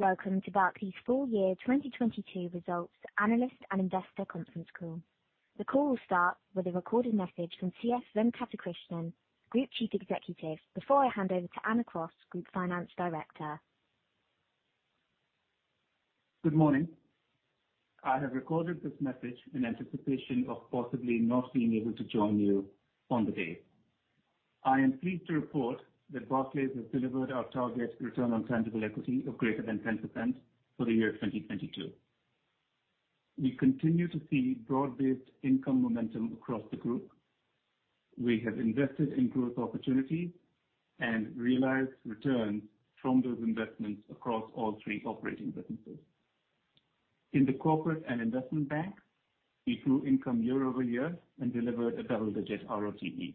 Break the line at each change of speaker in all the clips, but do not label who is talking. Welcome to Barclays Full Year 2022 Results Analyst and Investor Conference Call. The call will start with a recorded message from C.S. Venkatakrishnan, Group Chief Executive, before I hand over to Anna Cross, Group Finance Director.
Good morning. I have recorded this message in anticipation of possibly not being able to join you on the day. I am pleased to report that Barclays has delivered our target return on tangible equity of greater than 10% for the year 2022. We continue to see broad-based income momentum across the group. We have invested in growth opportunities and realized returns from those investments across all three operating businesses. In the Corporate and Investment Bank, we grew income year-over-year and delivered a double-digit ROTE.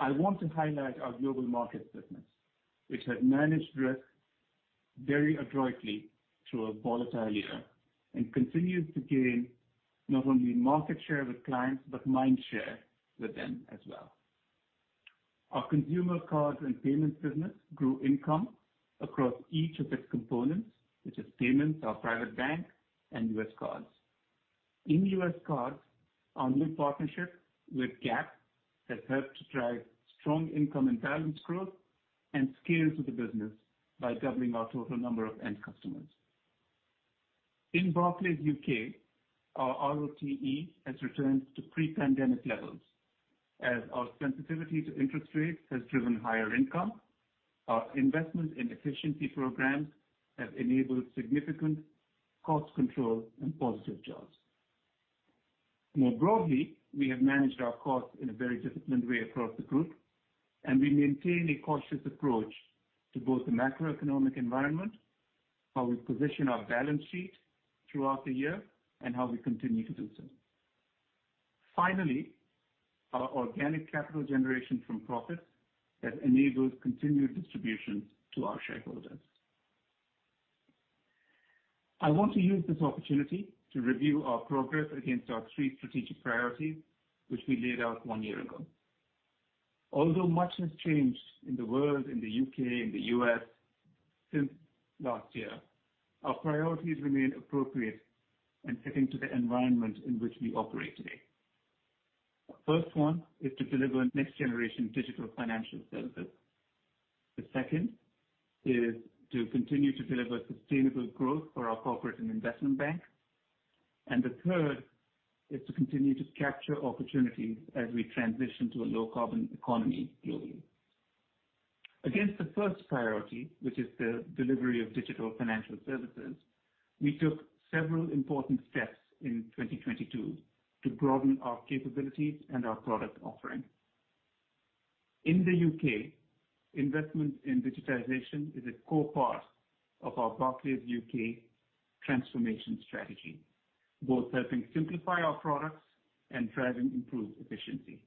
I want to highlight our Global Markets business, which has managed risk very adroitly through a volatile year and continues to gain not only market share with clients, but mind share with them as well. Our Consumer Cards and Payments business grew income across each of its components, which is payments, our private bank, and U.S. cards. In U.S. cards, our new partnership with Gap has helped to drive strong income and balance growth and scale to the business by doubling our total number of end customers. In Barclays U.K., our ROTE has returned to pre-pandemic levels as our sensitivity to interest rates has driven higher income. Our investment in efficiency programs have enabled significant cost control and positive jaws. More broadly, we have managed our costs in a very disciplined way across the group, and we maintain a cautious approach to both the macroeconomic environment, how we position our balance sheet throughout the year, and how we continue to do so. Finally, our organic capital generation from profits has enabled continued distribution to our shareholders. I want to use this opportunity to review our progress against our three strategic priorities, which we laid out one year ago. Although much has changed in the world, in the U.K., in the U.S. since last year, our priorities remain appropriate and fitting to the environment in which we operate today. The first one is to deliver next generation digital financial services. The second is to continue to deliver sustainable growth for our corporate and investment bank. The third is to continue to capture opportunities as we transition to a low carbon economy globally. Against the first priority, which is the delivery of digital financial services, we took several important steps in 2022 to broaden our capabilities and our product offering. In the U.K., investment in digitization is a core part of our Barclays U.K. transformation strategy, both helping simplify our products and driving improved efficiency.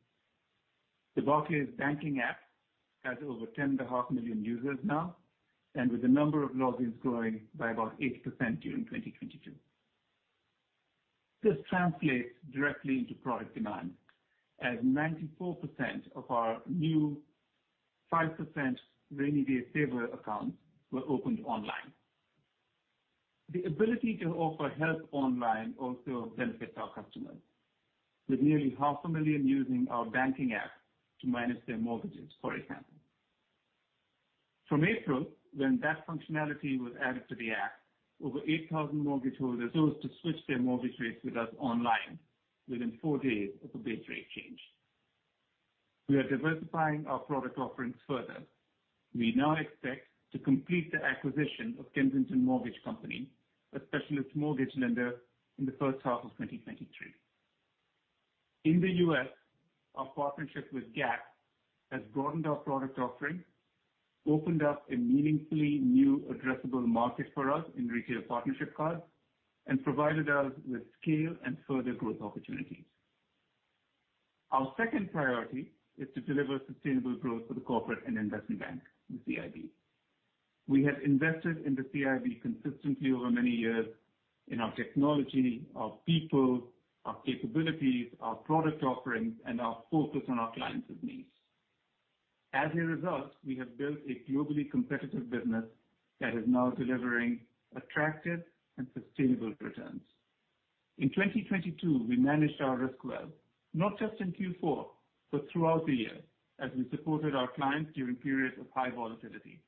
The Barclays app has over 10.5 million users now, and with the number of logins growing by about 8% during 2022. This translates directly into product demand as 94% of our new 5% Rainy Day Saver accounts were opened online. The ability to offer help online also benefits our customers with nearly 0.5 million using our Barclays app to manage their mortgages, for example. From April, when that functionality was added to the app, over 8,000 mortgage holders chose to switch their mortgage rates with us online within four days of the base rate change. We are diversifying our product offerings further. We now expect to complete the acquisition of Kensington Mortgage Company, a specialist mortgage lender, in the first half of 2023. In the U.S., our partnership with Gap has broadened our product offering, opened up a meaningfully new addressable market for us in retail partnership cards, and provided us with scale and further growth opportunities. Our second priority is to deliver sustainable growth for the corporate and investment bank, the CIB. We have invested in the CIB consistently over many years in our technology, our people, our capabilities, our product offerings, and our focus on our clients' needs. As a result, we have built a globally competitive business that is now delivering attractive and sustainable returns. In 2022, we managed our risk well, not just in Q4, but throughout the year as we supported our clients during periods of high volatility.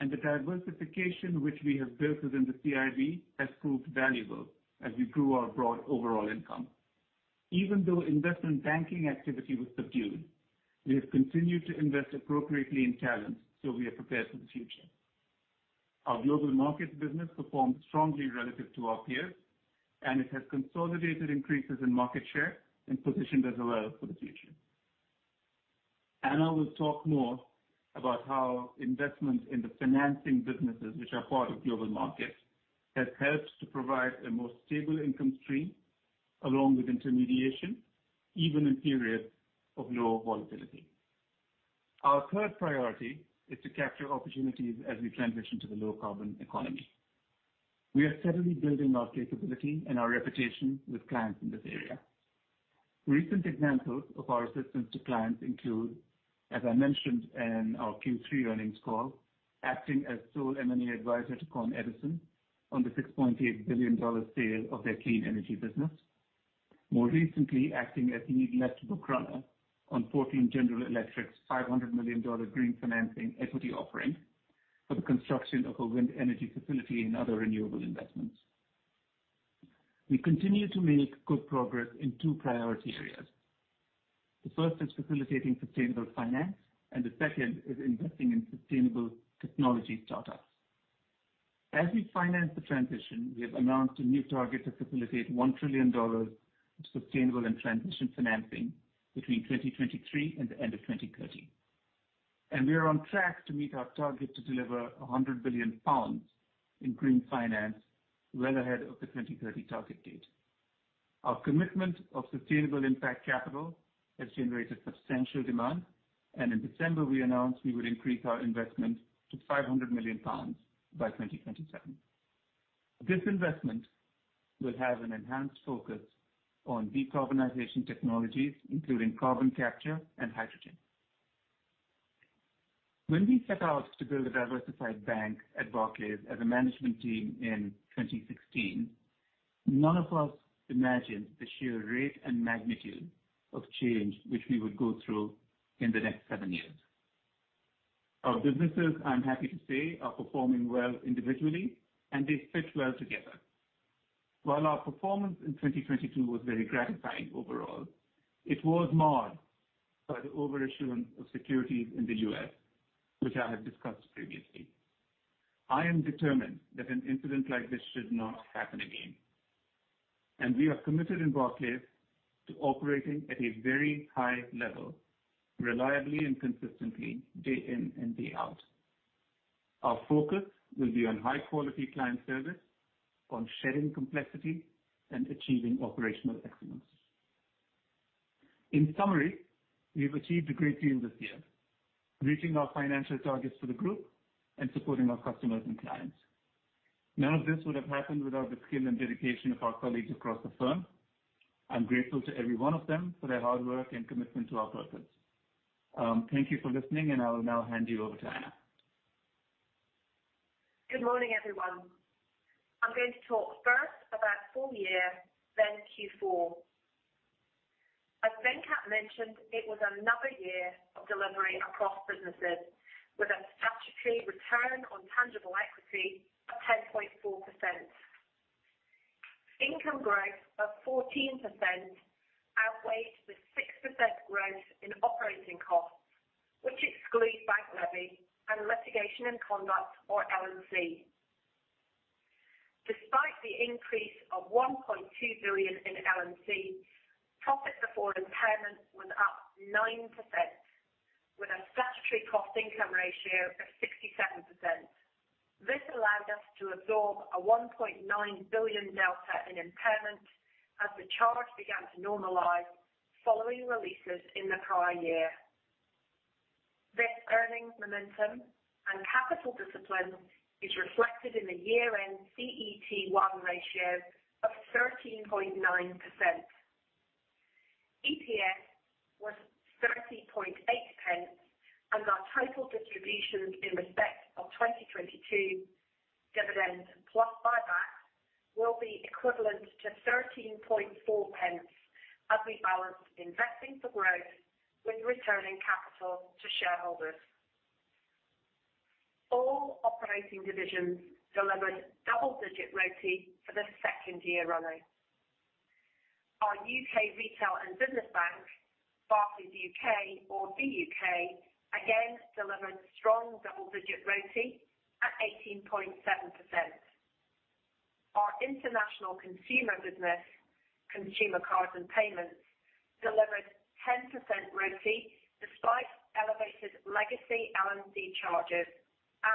The diversification which we have built within the CIB has proved valuable as we grew our broad overall income. Investment banking activity was subdued, we have continued to invest appropriately in talent. We are prepared for the future. Our global markets business performed strongly relative to our peers. It has consolidated increases in market share and positioned us well for the future. Anna will talk more about how investment in the financing businesses, which are part of global markets, has helped to provide a more stable income stream along with intermediation, even in periods of low volatility. Our third priority is to capture opportunities as we transition to the low carbon economy. We are steadily building our capability and our reputation with clients in this area. Recent examples of our assistance to clients include, as I mentioned in our Q3 earnings call, acting as sole M&A advisor to Con Edison on the $6.8 billion sale of their clean energy business. More recently, acting as lead left book runner on Portland General Electric's, $500 million green financing equity offering for the construction of a wind energy facility and other renewable investments. We continue to make good progress in two priority areas. The first is facilitating sustainable finance and the second is investing in sustainable technology startups. As we finance the transition, we have announced a new target to facilitate $1 trillion of sustainable and transition financing between 2023 and the end of 2030. We are on track to meet our target to deliver 100 billion pounds in green finance well ahead of the 2030 target date. Our commitment of sustainable impact capital has generated substantial demand, and in December we announced we would increase our investment to 500 million pounds by 2027. This investment will have an enhanced focus on decarbonization technologies, including carbon capture and hydrogen. When we set out to build a diversified bank at Barclays as a management team in 2016, none of us imagined the sheer rate and magnitude of change which we would go through in the next seven years. Our businesses, I'm happy to say, are performing well individually and they fit well together. While our performance in 2022 was very gratifying overall, it was marred by the overissuance of securities in the U.S., which I have discussed previously. I am determined that an incident like this should not happen again. We are committed in Barclays to operating at a very high level, reliably and consistently, day in and day out. Our focus will be on high quality client service, on shedding complexity and achieving operational excellence. In summary, we've achieved a great deal this year, reaching our financial targets for the group and supporting our customers and clients. None of this would have happened without the skill and dedication of our colleagues across the firm. I'm grateful to every one of them for their hard work and commitment to our purpose. Thank you for listening. I will now hand you over to Anna.
Good morning, everyone. I'm going to talk first about full year, then Q4. As Venkat mentioned, it was another year of delivery across businesses with a statutory return on tangible equity of 10.4%. Income growth of 14% outweighed the 6% growth in operating costs, which exclude bank levy and litigation and conduct, or LNC. Despite the increase of 1.2 billion in LNC, profit before impairment was up 9% with a statutory cost income ratio of 67%. This allowed us to absorb a 1.9 billion delta in impairment as the charge began to normalize following releases in the prior year. This earnings momentum and capital discipline is reflected in the year-end CET1 ratio of 13.9%. EPS was 0.308. Our total distributions in respect of 2022 dividend plus buyback will be equivalent to 0.134 as we balance investing for growth with returning capital to shareholders. All operating divisions delivered double-digit ROTE for the second year running. Our U.K. retail and business bank, Barclays U.K. or BUK, again delivered strong double-digit ROTE at 18.7%. Our international consumer business, consumer cards and payments, delivered 10% ROTE despite elevated legacy LNC charges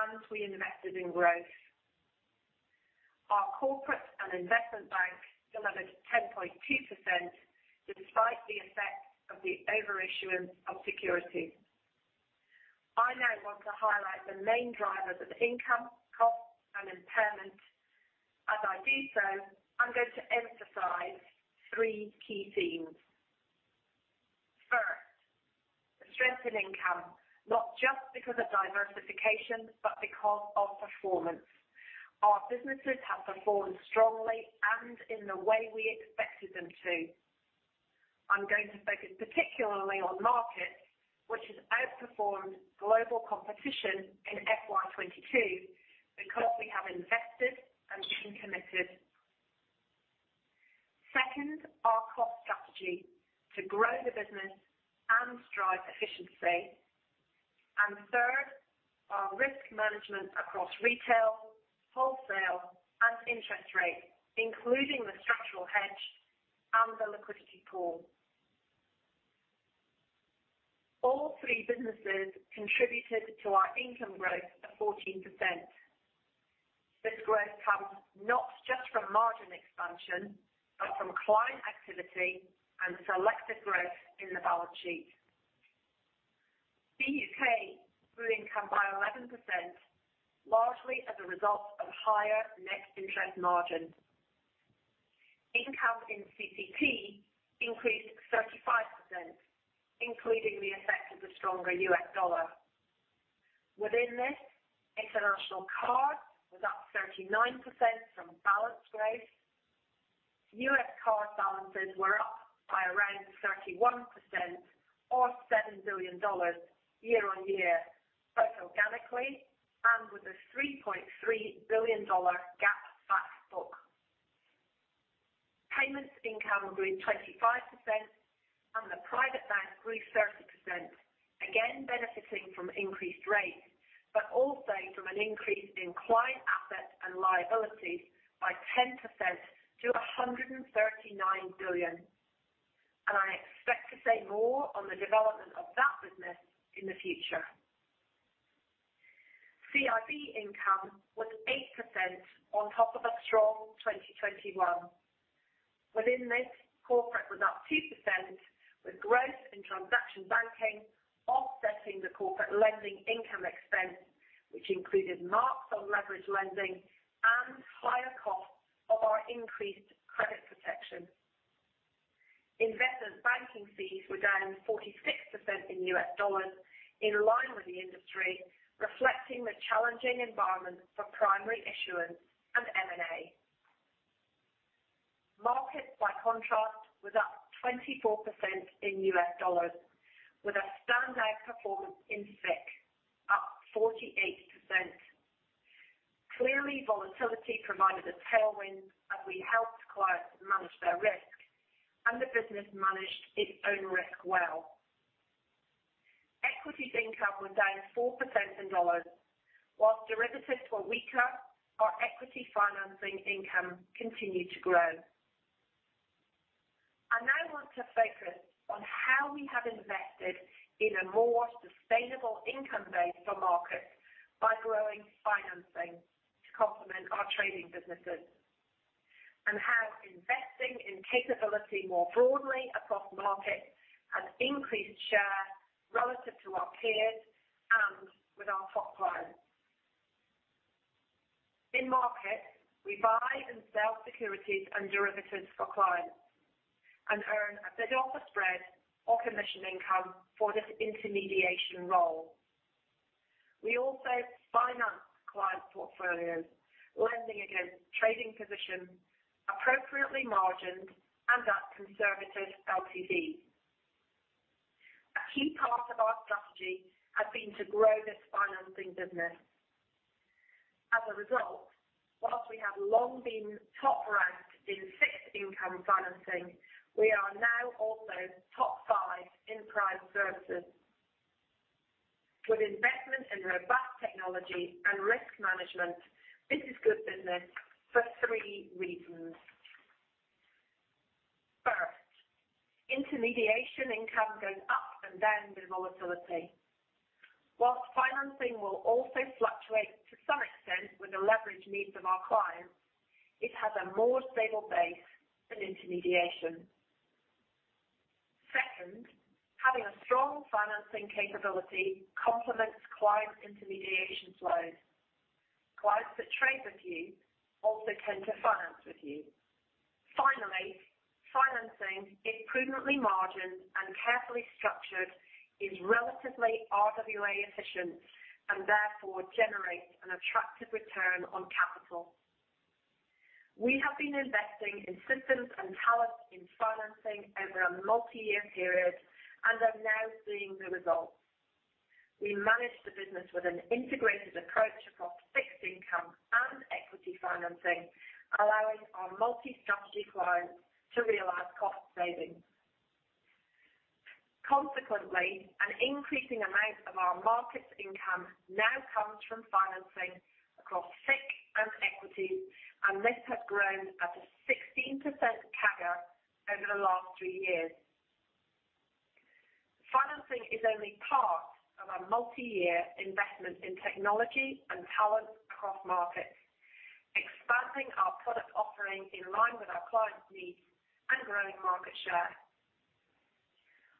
and we invested in growth. Our corporate and investment bank delivered 10.2% despite the effect of the overissuance of securities. I now want to highlight the main drivers of income, cost and impairment. As I do so, I'm going to emphasize three key themes. First, the strength in income, not just because of diversification, but because of performance. Our businesses have performed strongly and in the way we expected them to. I'm going to focus particularly on markets, which has outperformed global competition in FY 2022 because we have invested and been committed. Second, our cost strategy to grow the business and drive efficiency. Third, our risk management across retail, wholesale, and interest rates, including the structural hedge and the liquidity pool. All three businesses contributed to our income growth of 14%. This growth comes not just from margin expansion, but from client activity and selective growth in the balance sheet. BUK grew income by 11%, largely as a result of higher net interest margin. Income in CC&P increased 35%, including the effect of the stronger U.S. dollar. Within this, international card was up 39% from balance growth. U.S. card balances were up by around 31% or $7 billion year on year, both organically and with a $3.3 billion Gap back book. Payments income grew 25% and the private bank grew 30%, again benefiting from increased rates, but also from an increase in client assets and liabilities by 10% to $139 billion. I expect to say more on the development of that business in the future. CIB income was 8% on top of a strong 2021. Within this, corporate was up 2%, with growth in transaction banking offsetting the corporate lending income expense, which included marks on leverage lending and higher costs of our increased credit protection. Investment banking fees were down 46% in U.S. dollars, in line with the industry, reflecting the challenging environment for primary issuance and M&A. Markets, by contrast, was up 24% in U.S. dollars, with a standout performance in FICC up 48%. Clearly, volatility provided a tailwind as we helped clients manage their risk and the business managed its own risk well. Equities income was down 4% in dollars. While derivatives were weaker, our equity financing income continued to grow. I now want to focus on how we have invested in a more sustainable income base for markets by growing financing to complement our trading businesses, and how investing in capability more broadly across markets has increased share relative to our peers and with our top clients. In markets we buy and sell securities and derivatives for clients and earn a bid-offer spread or commission income for this intermediation role. We also finance client portfolios, lending against trading positions appropriately margined and at conservative LTV. A key part of our strategy has been to grow this financing business. While we have long been top ranked in FICC income financing, we are now also top five in Prime Services. With investment in robust technology and risk management, this is good business for three reasons. First, intermediation income goes up and down with volatility. While financing will also fluctuate to some extent with the leverage needs of our clients, it has a more stable base than intermediation. Second, having a strong financing capability complements client intermediation flows. Clients that trade with you also tend to finance with you. Finally, financing, if prudently margined and carefully structured, is relatively RWA efficient and therefore generates an attractive return on capital. We have been investing in systems and talent in financing over a multi-year period and are now seeing the results. We manage the business with an integrated approach across fixed income and equity financing, allowing our multi-strategy clients to realize cost savings. Consequently, an increasing amount of our markets income now comes from financing across FICC and equities, and this has grown at a 16% CAGR over the last three years. Financing is only part of our multi-year investment in technology and talent across markets, expanding our product offering in line with our clients' needs and growing market share.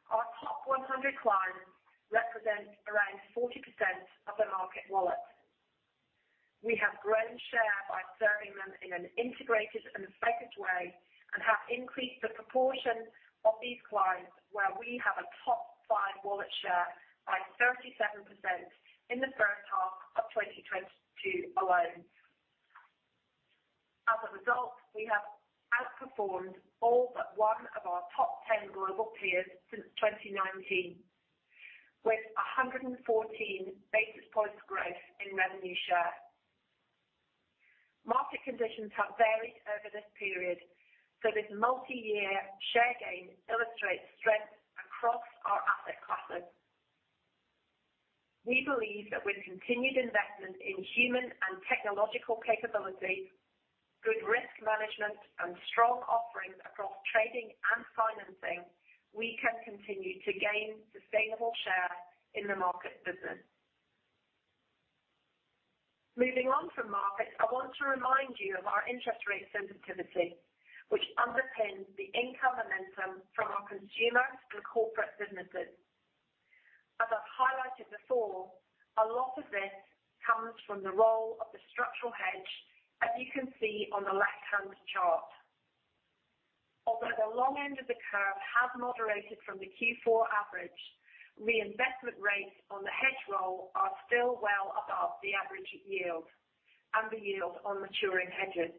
Our top 100 clients represent around 40% of the market wallet. We have grown share by serving them in an integrated and effective way and have increased the proportion of these clients where we have a top five wallet share by 37% in the first half of 2022 alone. As a result, we have outperformed all but one of our top 10 global peers since 2019, with 114 basis points growth in revenue share. Market conditions have varied over this period. This multi-year share gain illustrates strength across our asset classes. We believe that with continued investment in human and technological capability, good risk management and strong offerings across trading and financing, we can continue to gain sustainable share in the markets business. Moving on from markets, I want to remind you of our interest rate sensitivity, which underpins the income momentum from our consumer and corporate businesses. As I highlighted before, a lot of this comes from the role of the structural hedge, as you can see on the left-hand chart. Although the long end of the curve has moderated from the Q4 average, reinvestment rates on the hedge roll are still well above the average yield and the yield on maturing hedges.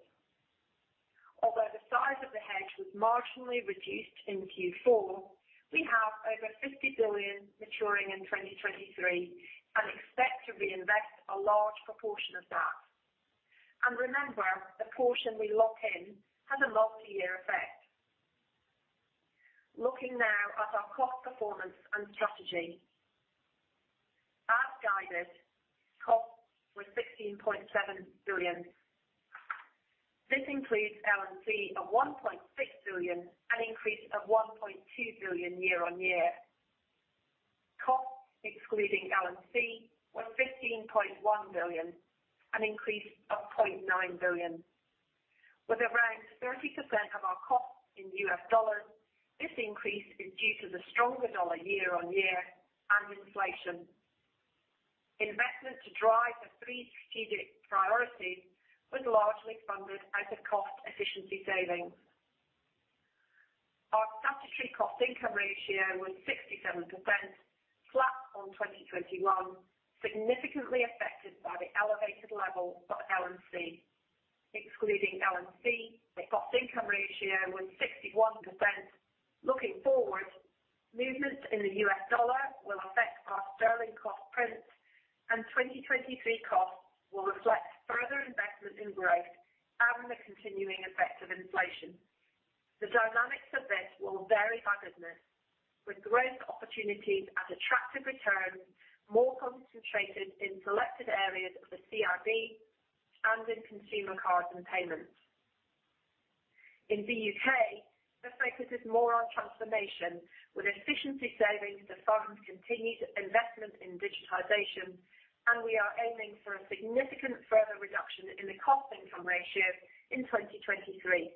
Although the size of the hedge was marginally reduced in Q4, we have over 50 billion maturing in 2023 and expect to reinvest a large proportion of that. Remember, the portion we lock in has a multi-year effect. Looking now at our cost performance and strategy. As guided, costs were 16.7 billion. This includes LNC of 1.6 billion, an increase of 1.2 billion year-on-year. Costs excluding LNC were 15.1 billion, an increase of 0.9 billion. With around 30% of our costs in U.S. dollars, this increase is due to the stronger dollar year-on-year and inflation. Investment to drive the three strategic priorities was largely funded as a cost efficiency saving. Our statutory cost income ratio was 67%, flat on 2021, significantly affected by the elevated level of LNC. Excluding LNC, the cost income ratio was 61%. Looking forward, movements in the U.S. dollar will affect our sterling cost prints, and 2023 costs will reflect further investment in growth and the continuing effects of inflation. The dynamics of this will vary by business, with growth opportunities at attractive returns more concentrated in selected areas of the CIB and in consumer cards and payments. In the U.K., the focus is more on transformation, with efficiency savings to fund continued investment in digitization, and we are aiming for a significant further reduction in the cost income ratio in 2023.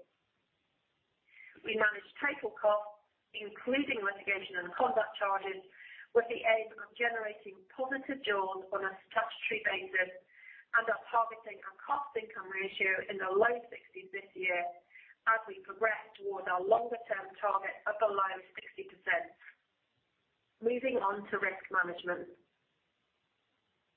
We managed title costs, including litigation and conduct charges, with the aim of generating positive churn on a statutory basis and are targeting a cost income ratio in the low 60s this year as we progress towards our longer term target of below 60%. Moving on to risk management.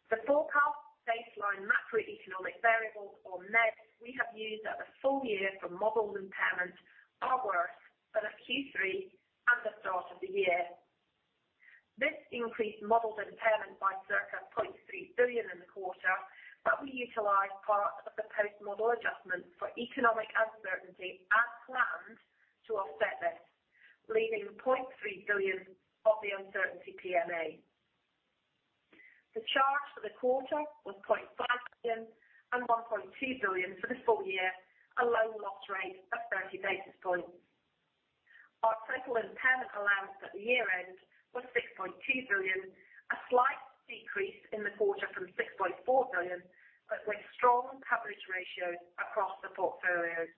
The forecast baseline Macroeconomic Variables or MEVs we have used at the full year for modeled impairment are worse than at Q3 and the start of the year. This increased modeled impairment by circa 0.3 billion in the quarter, but we utilized part of the post-model adjustment for economic uncertainty as planned to offset this, leaving 0.3 billion of the uncertainty PMA. The charge for the quarter was 0.5 billion and 1.2 billion for the full year, a loan loss rate of 30 basis points. Our total impairment allowance at the year-end was 6.2 billion, a slight decrease in the quarter from 6.4 billion, but with strong coverage ratios across the portfolios.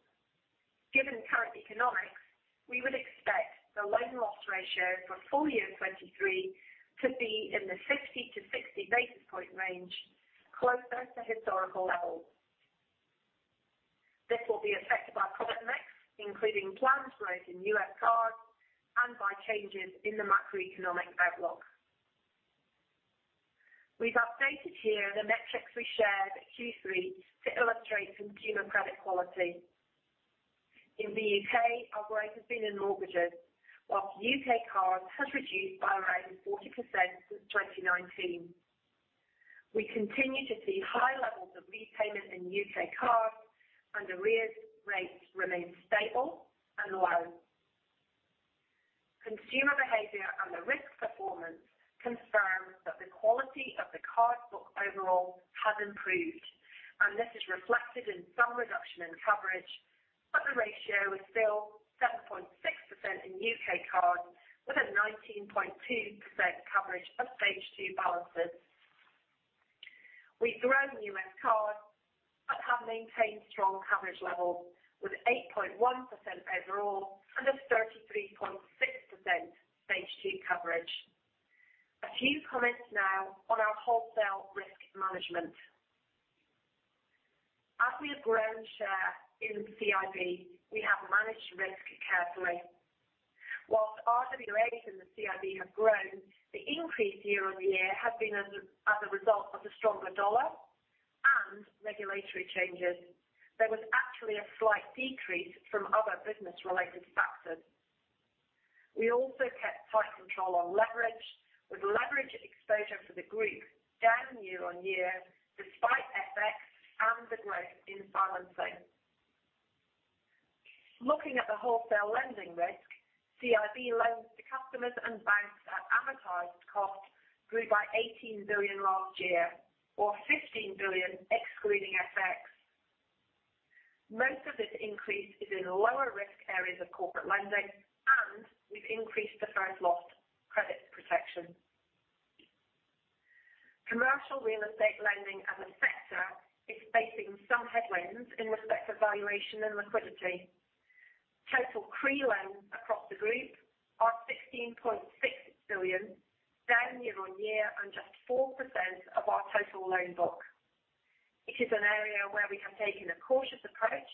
Given current economics, we would expect the loan loss ratio for full year 2023 to be in the 60-60 basis point range, closer to historical levels. This will be affected by product mix, including planned growth in U.S. cards and by changes in the macroeconomic outlook. We've updated here the metrics we shared at Q3 to illustrate consumer credit quality. In the U.K., our growth has been in mortgages, whilst U.K. cards has reduced by around 40% since 2019. We continue to see high levels of repayment in U.K. cards and arrears rates remain stable and low. Consumer behavior and the risk performance confirms that the quality of the card book overall has improved, and this is reflected in some reduction in coverage. The ratio is still 7.6% in U.K. cards, with a 19.2% coverage of phase 2 balances. We've grown U.S. cards but have maintained strong coverage levels, with 8.1% overall and a 33.6% phase 2 coverage. A few comments now on our wholesale risk management. As we have grown share in CIB, we have managed risk carefully. Whilst RWA in the CIB have grown, the increase year-over-year has been as a result of the stronger dollar and regulatory changes. There was actually a slight decrease from other business-related factors. We also kept tight control on leverage, with leverage exposure for the group down year-on-year despite FX and the growth in balancing. Looking at the wholesale lending risk, CIB loans to customers and banks at amortized cost grew by 18 billion last year or 15 billion excluding FX. Most of this increase is in lower risk areas of corporate lending, and we've increased the first loss credit protection. Commercial real estate lending as a sector is facing some headwinds in respect of valuation and liquidity. Total CRE loans across the group are 16.6 billion, down year-on-year and just 4% of our total loan book. It is an area where we have taken a cautious approach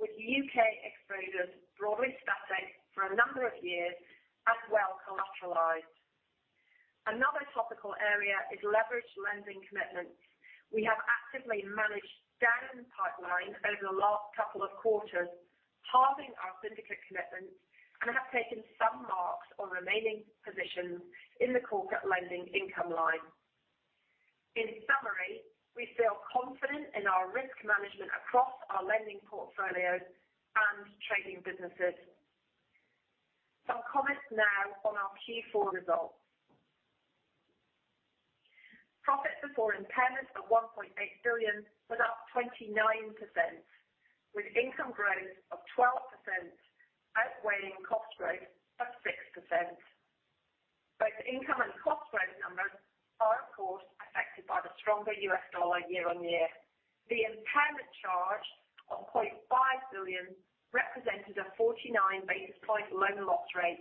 with U.K. exposures broadly static for a number of years and well collateralized. Another topical area is leveraged lending commitments. We have actively managed down pipelines over the last couple of quarters, halving our syndicate commitments, and have taken some marks on remaining positions in the corporate lending income line. In summary, we feel confident in our risk management across our lending portfolios and trading businesses. Some comments now on our Q4 results. Profit before impairment of 1.8 billion was up 29%, with income growth of 12% outweighing cost growth of 6%. Both income and cost growth numbers are, of course, affected by the stronger U.S. dollar year on year. The impairment charge of 0.5 billion represented a 49 basis point loan loss rate,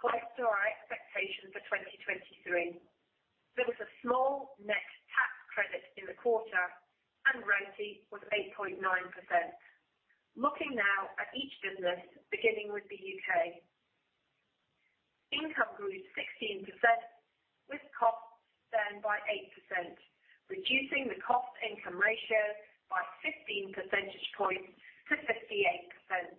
close to our expectation for 2023. There was a small net tax credit in the quarter and ROTCE was 8.9%. Looking now at each business, beginning with the U.K. Income grew 16% with costs down by 8%, reducing the cost income ratio by 15 percentage points to 58%.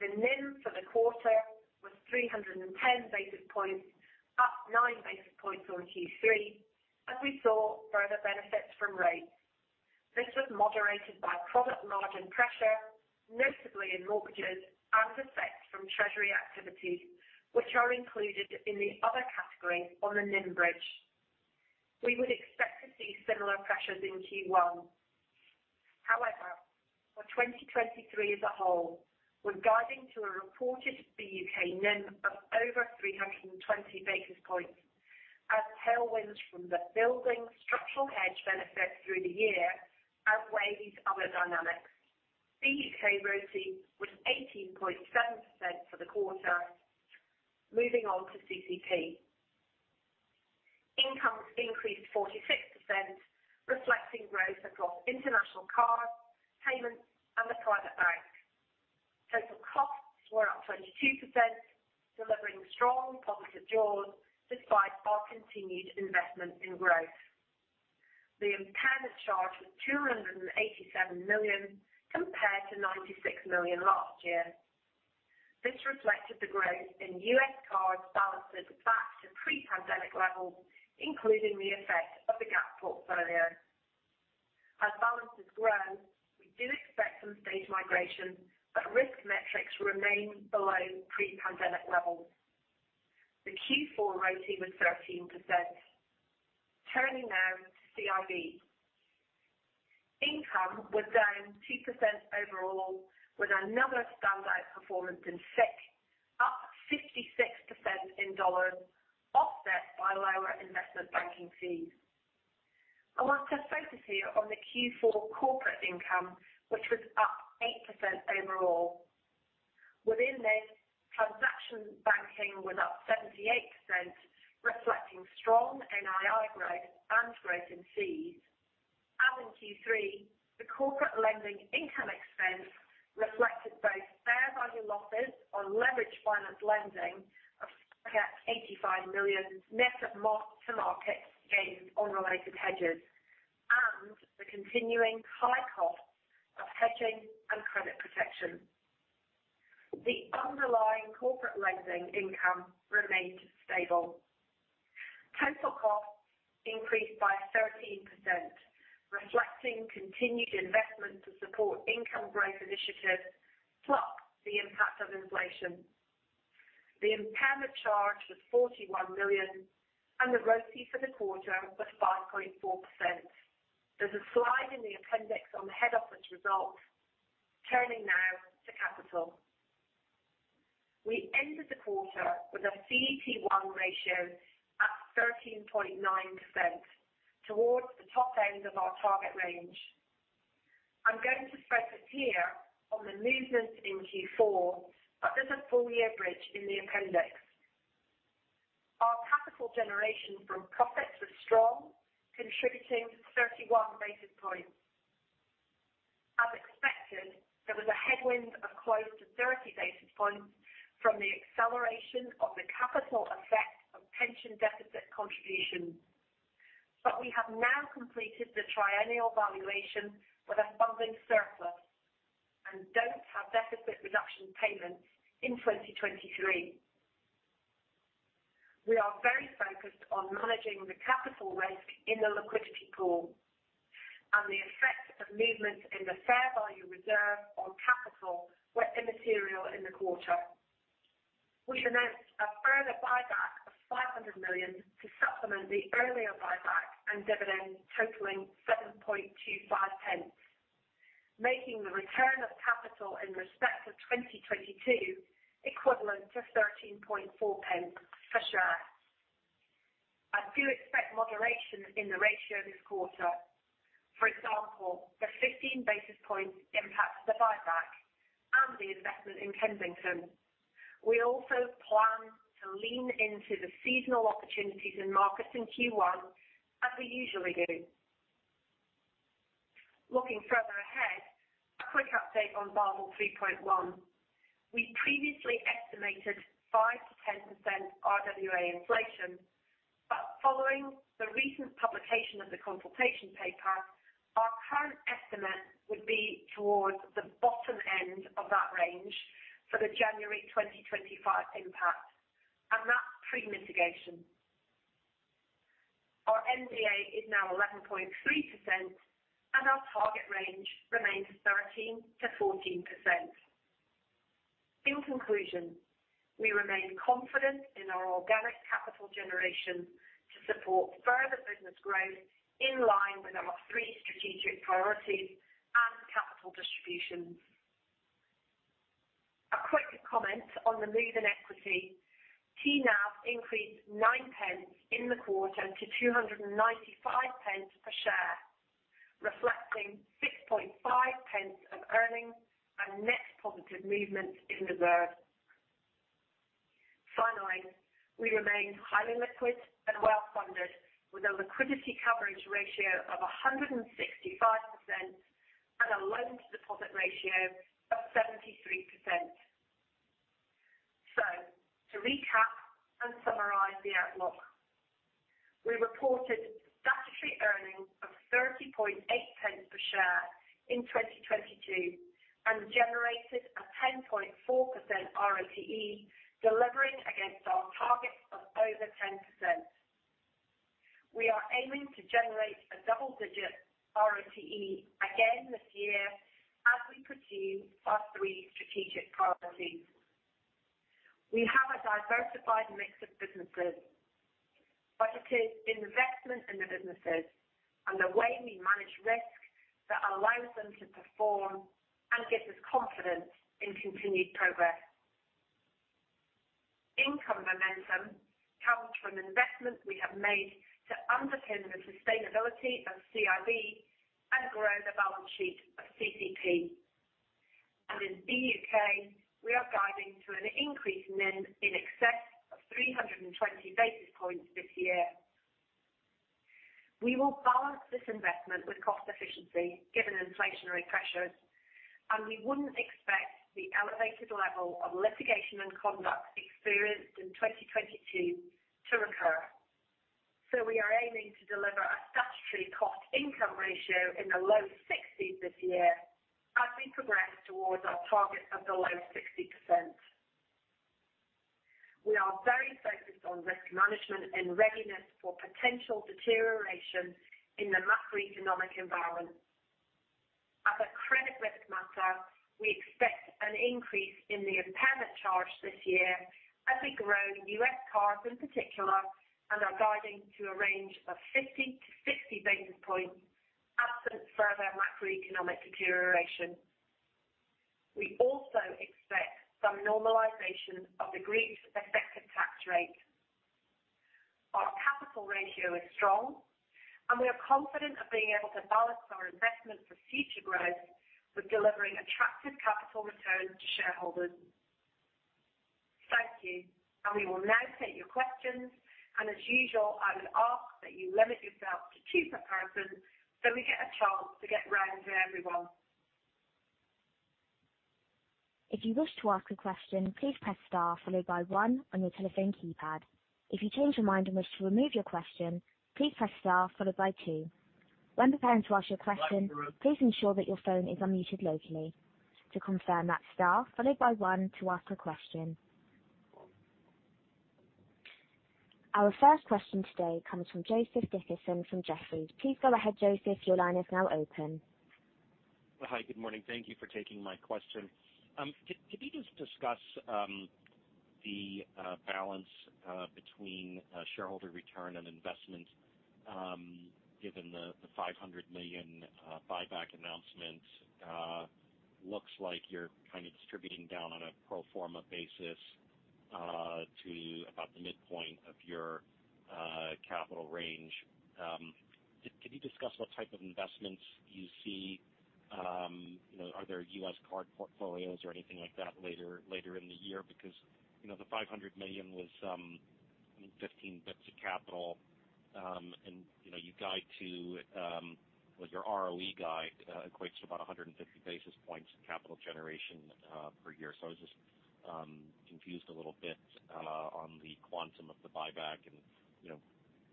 The NIM for the quarter was 310 basis points, up 9 basis points on Q3, and we saw further benefits from rates. This was moderated by product margin pressure, notably in mortgages and effects from treasury activities, which are included in the other category on the NIM bridge. We would expect to see similar pressures in Q1. However, for 2023 as a whole, we're guiding to a reported U.K. NIM of over 320 basis points as tailwinds from the building structural hedge benefits through the year outweighs other dynamics. The U.K. ROTCE was 18.7% for the quarter. Moving on to CC&P. Income increased 46%, reflecting growth across international card, payments and the private bank. Total costs were up 22%, delivering strong positive jaws despite our continued investment in growth. The impairment charge was 287 million compared to 96 million last year. This reflected the growth in U.S. cards balances back to pre-pandemic levels, including the effect of the Gap portfolio. As balances grow, we do expect some stage migration, but risk metrics remain below pre-pandemic levels. The Q4 ROTCE was 13%. Turning now to CIB. Income was down 2% overall, with another standout performance in FICC, up 56% in dollars, offset by lower investment banking fees. I want to focus here on the Q4 corporate income, which was up 8% overall. Within this, transaction banking was up 78%, reflecting strong NII growth and growth in fees. In Q3, the corporate lending income expense reflected both fair value losses on leveraged finance lending of 85 million net mark-to-market gains on related hedges and the continuing high cost of hedging and credit protection. The underlying corporate lending income remained stable. Total costs increased by 13%, reflecting continued investment to support income growth initiatives plus the impact of inflation. The impairment charge was 41 million. The ROTCE for the quarter was 5.4%. There's a slide in the appendix on the head office results. Turning now to capital. We ended the quarter with a CET1 ratio at 13.9% towards the top end of our target range. I'm going to focus here on the movement in Q4. There's a full year bridge in the appendix. Our capital generation from profits was strong, contributing 31 basis points. As expected, there was a headwind of close to 30 basis points from the acceleration of the capital effect of pension deficit contributions. We have now completed the triennial valuation with a funding surplus and don't have deficit reduction payments in 2023. We are very focused on managing the capital risk in the liquidity pool and the effect of movements in the fair value-Capital were immaterial in the quarter. We announced a further buyback of 500 million to supplement the earlier buyback and dividend totaling 7.25 pence. Making the return of capital in respect of 2022 equivalent to 13.4 pence per share. I do expect moderation in the ratio this quarter. For example, the 15 basis points impacts the buyback and the investment in Kensington. We also plan to lean into the seasonal opportunities in markets in Q1 as we usually do. Looking further ahead, a quick update on Basel 3.1. We previously estimated 5%-10% RWA inflation. Following the recent publication of the consultation paper, our current estimate would be towards the bottom end of that range for the January 2025 impact, and that's pre mitigation. Our MDA is now 11.3%, and our target range remains 13%-14%. In conclusion, we remain confident in our organic capital generation to support further business growth in line with our three strategic priorities and capital distributions. A quick comment on the move in equity. TNAP increased 0.09 in the quarter to 2.95 per share, reflecting 0.065 of earnings and net positive movements in reserve. Finally, we remain highly liquid and well funded with a liquidity coverage ratio of 165% and a loan to deposit ratio of 73%. To recap and summarize the outlook, we reported statutory earnings of 30.8 pence per share in 2022 and generated a 10.4% ROTE delivering against our target of over 10%. We are aiming to generate a double digit ROTE again this year as we pursue our three strategic priorities. We have a diversified mix of businesses, but it is investment in the businesses and the way we manage risk that allows them to perform and gives us confidence in continued progress. Income momentum comes from investments we have made to underpin the sustainability of CIB and grow the balance sheet of CC&P. In BUK, we are guiding to an increase in NIM in excess of 320 basis points this year. We will balance this investment with cost efficiency, given inflationary pressures, and we wouldn't expect the elevated level of litigation and conduct experienced in 2022 to recur. We are aiming to deliver a statutory cost income ratio in the low 60s this year as we progress towards our target of the low 60%. We are very focused on risk management and readiness for potential deterioration in the macroeconomic environment. As a credit risk matter, we expect an increase in the impairment charge this year as we grow U.S. cards in particular and are guiding to a range of 50-60 basis points absent further macroeconomic deterioration. We also expect some normalization of the group's effective tax rate. Our capital ratio is strong, and we are confident of being able to balance our investment for future growth with delivering attractive capital returns to shareholders. Thank you. We will now take your questions. As usual, I would ask that you limit yourself to two per person, so we get a chance to get round to everyone.
If you wish to ask a question, please press star followed by one on your telephone keypad. If you change your mind and wish to remove your question, please press star followed by two. When preparing to ask your question.
Right.
Please ensure that your phone is unmuted locally. To confirm, that's star followed by one to ask a question. Our first question today comes from Joseph Dickerson from Jefferies. Please go ahead, Joseph. Your line is now open..
Thank you for taking my question. Could you just discuss the balance between shareholder return on investment, given the 500 million buyback announcement, looks like you're kind of distributing down on a pro forma basis to about the midpoint of your capital range? Could you discuss what type of investments you see, you know, are there U.S. card portfolios or anything like that later in the year? Because, you know, the 500 million was, you know, 15 bits of capital, and, you know, you guide to, well, your ROE guide equates to about 150 basis points in capital generation per year. I was just confused a little bit on the quantum of the buyback and, you know,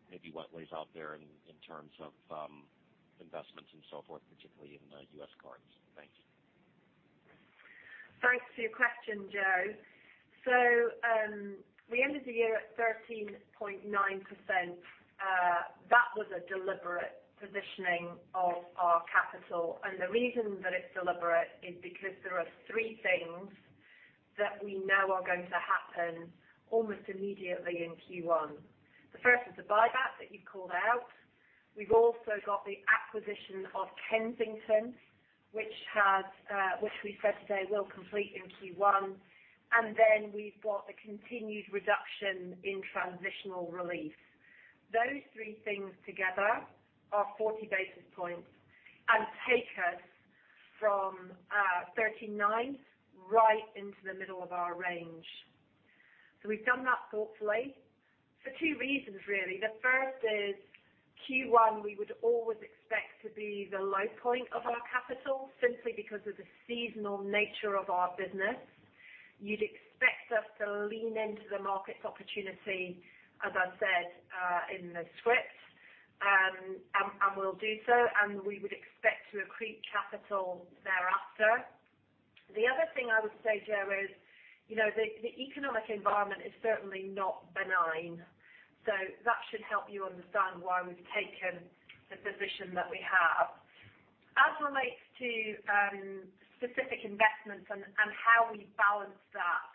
maybe what lays out there in terms of investments and so forth, particularly in the U.S. cards. Thanks.
Thanks for your question, Joe. We ended the year at 13.9%. That was a deliberate positioning of our capital. The reason that it's deliberate is because there are three things that we know are going to happen almost immediately in Q1. The first is the buyback that you called out. We've also got the acquisition of Kensington, which we said today will complete in Q1. We've got the continued reduction in transitional relief. Those three things together are 40 basis points and take us from 39 right into the middle of our range. We've done that thoughtfully for two reasons, really. The first is Q1 we would always expect to be the low point of our capital, simply because of the seasonal nature of our business. You'd expect us to lean into the market opportunity, as I said, in the script, and we'll do so, and we would expect to accrete capital thereafter. The other thing I would say, Joe, is, you know, the economic environment is certainly not benign, so that should help you understand why we've taken the position that we have. As relates to specific investments and how we balance that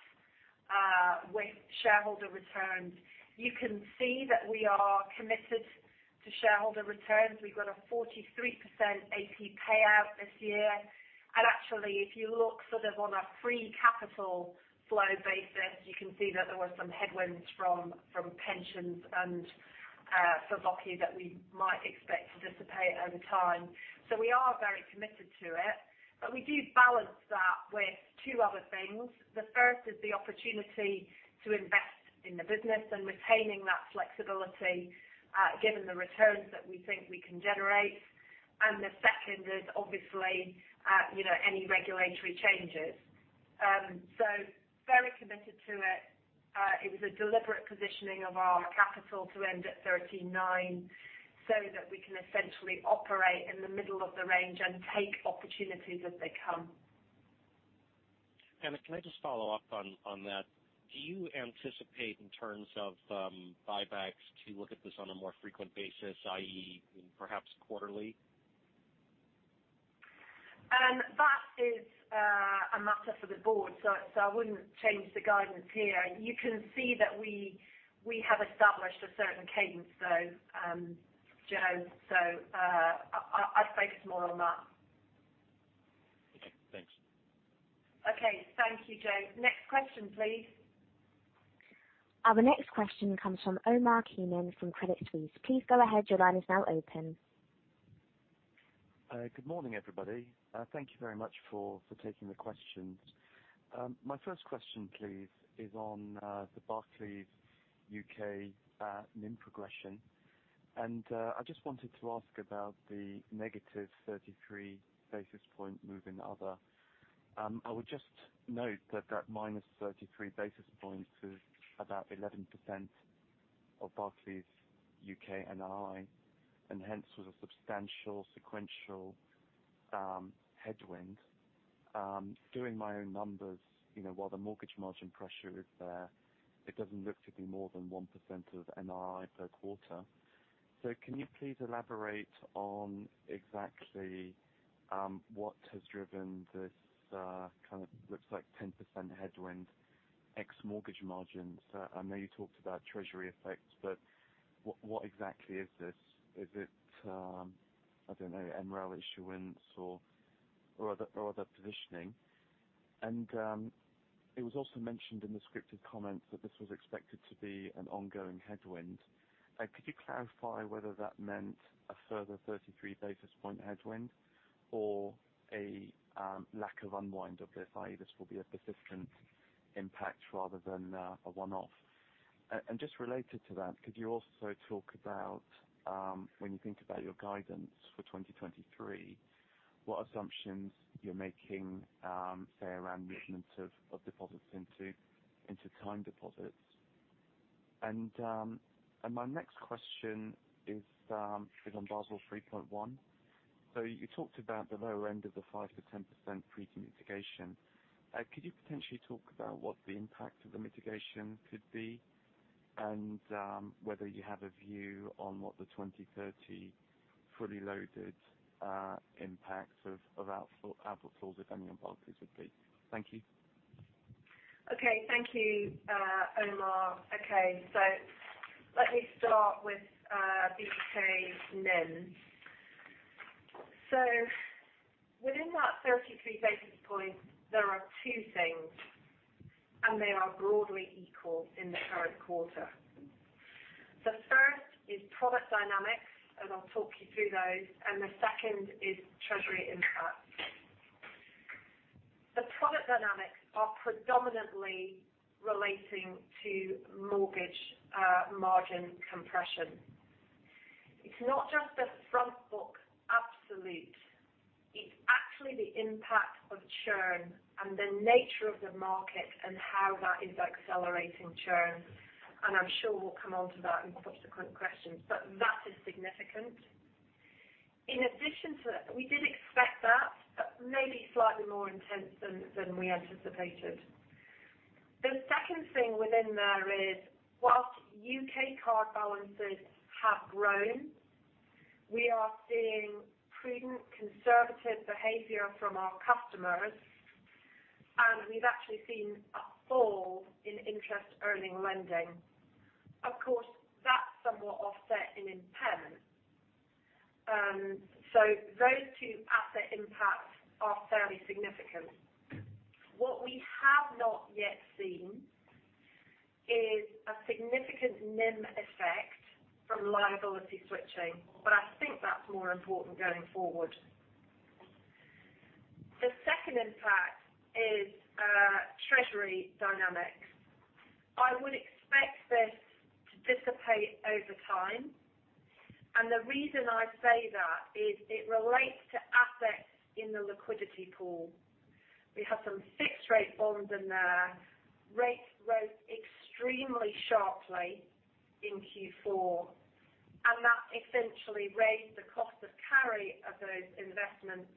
with shareholder returns, you can see that we are committed to shareholder returns. We've got a 43% AP payout this year. Actually, if you look sort of on a free capital flow basis, you can see that there were some headwinds from pensions and for that is a matter for the board, so I wouldn't change the guidance here. You can see that we have established a certain cadence though, Joe, so I'd focus more on that.
Okay, thanks.
Okay, thank you, Joe. Next question, please.
The next question comes from Omar Keenan from Credit Suisse. Please go ahead. Your line is now open.
Good morning, everybody. Thank you very much for taking the questions. My first question, please, is on the Barclays U.K. NIM progression. I just wanted to ask about the -33 basis point move in other. I would just note that that -33 basis points is about 11% of Barclays U.K. NII, and hence was a substantial sequential headwind. Doing my own numbers, you know, while the mortgage margin pressure is there, it doesn't look to be more than 1% of NII per quarter. Can you please elaborate on exactly what has driven this kind of looks like 10% headwind ex mortgage margins? I know you talked about treasury effects, but what exactly is this? Is it, I don't know, MREL issuance or other positioning? It was also mentioned in the scripted comments that this was expected to be an ongoing headwind. Could you clarify whether that meant a further 33 basis point headwind or a lack of unwind of this, i.e., this will be a persistent impact rather than a one-off? Just related to that, could you also talk about when you think about your guidance for 2023, what assumptions you're making, say, around movements of deposits into time deposits? My next question is on Basel 3.1. You talked about the low end of the 5%-10% pre mitigation. Could you potentially talk about what the impact of the mitigation could be and, whether you have a view on what the 2030 fully loaded, impact of output falls if any, on Barclays would be? Thank you.
Okay. Thank you, Omar. Okay. Let me start with BUK NIM. Within that 33 basis points, there are two things, and they are broadly equal in the current quarter. The first is product dynamics, and I'll talk you through those, and the second is treasury impact. The product dynamics are predominantly relating to mortgage margin compression. It's not just the front book absolute, it's actually the impact of churn and the nature of the market and how that is accelerating churn. I'm sure we'll come on to that in subsequent questions. That is significant. In addition to that, we did expect that, maybe slightly more intense than we anticipated. The second thing within there is whilst U.K. card balances have grown, we are seeing prudent conservative behavior from our customers, and we've actually seen a fall in interest earning lending. Of course, that's somewhat offset in impairments. Those two asset impacts are fairly significant. What we have not yet seen is a significant NIM effect from liability switching, but I think that's more important going forward. The second impact is treasury dynamics. I would expect this to dissipate over time, and the reason I say that is it relates to assets in the liquidity pool. We have some fixed rate bonds in there. Rates rose extremely sharply in Q4, and that essentially raised the cost of carry of those investments.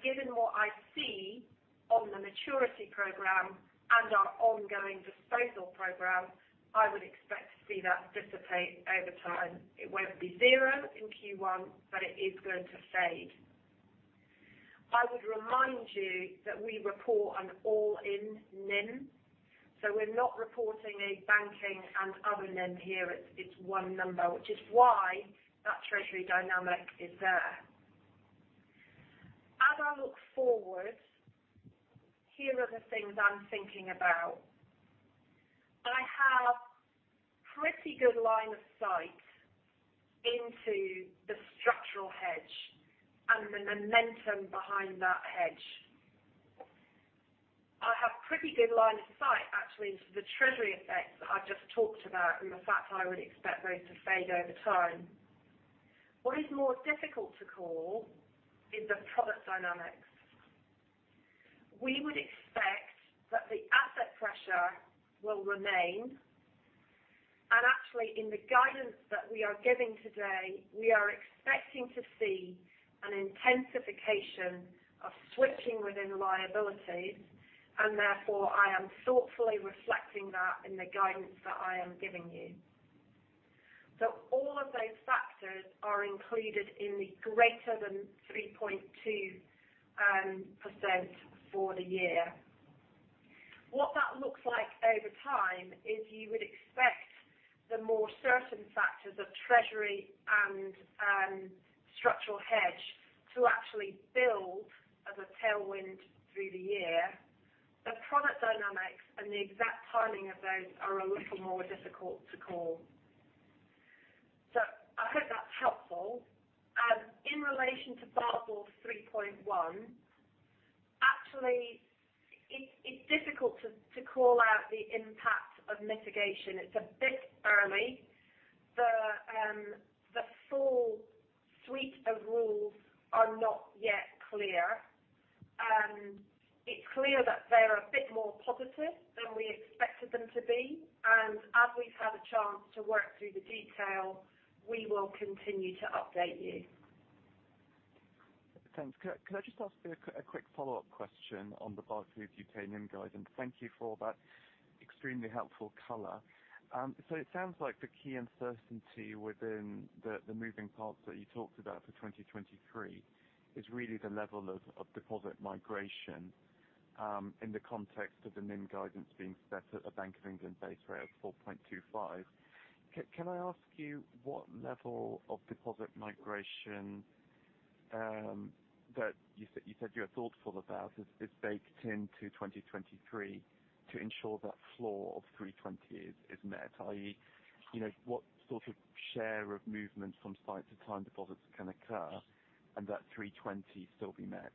Given what I see on the maturity program and our ongoing disposal program, I would expect to see that dissipate over time. It won't be zero in Q1. It is going to fade. I would remind you that we report an all-in NIM, so we're not reporting a banking and other NIM here. It's one number, which is why that treasury dynamic is there. As I look forward, here are the things I'm thinking about. I have pretty good line of sight into the structural hedge and the momentum behind that hedge. I have pretty good line of sight, actually, into the treasury effects that I've just talked about, and the fact I would expect those to fade over time. What is more difficult to call is the product dynamics. We would expect that the asset pressure will remain, and actually, in the guidance that we are giving today, we are expecting to see an intensification of switching within liabilities, and therefore I am thoughtfully reflecting that in the guidance that I am giving you. All of those factors are included in the greater than 3.2% for the year. What that looks like over time is you would expect the more certain factors of treasury and structural hedge to actually build as a tailwind through the year. The product dynamics and the exact timing of those are a little more difficult to call. I hope that's helpful. In relation to Basel 3.1, actually it's difficult to call out the impact of mitigation. It's a bit early. The full suite of rules are not yet clear. It's clear that they are a bit more positive than we expected them to be. As we've had a chance to work through the detail, we will continue to update you.
Thanks. Could I just ask a quick follow-up question on the Barclays U.K. NIM guidance? Thank you for that extremely helpful color. It sounds like the key uncertainty within the moving parts that you talked about for 2023 is really the level of deposit migration, in the context of the NIM guidance being set at a Bank of England base rate of 4.25. Can I ask you what level of deposit migration that you said you are thoughtful about is baked into 2023 to ensure that floor of 320 is met, i.e., you know, what sort of share of movement from sight to time deposits can occur and that 320 still be met?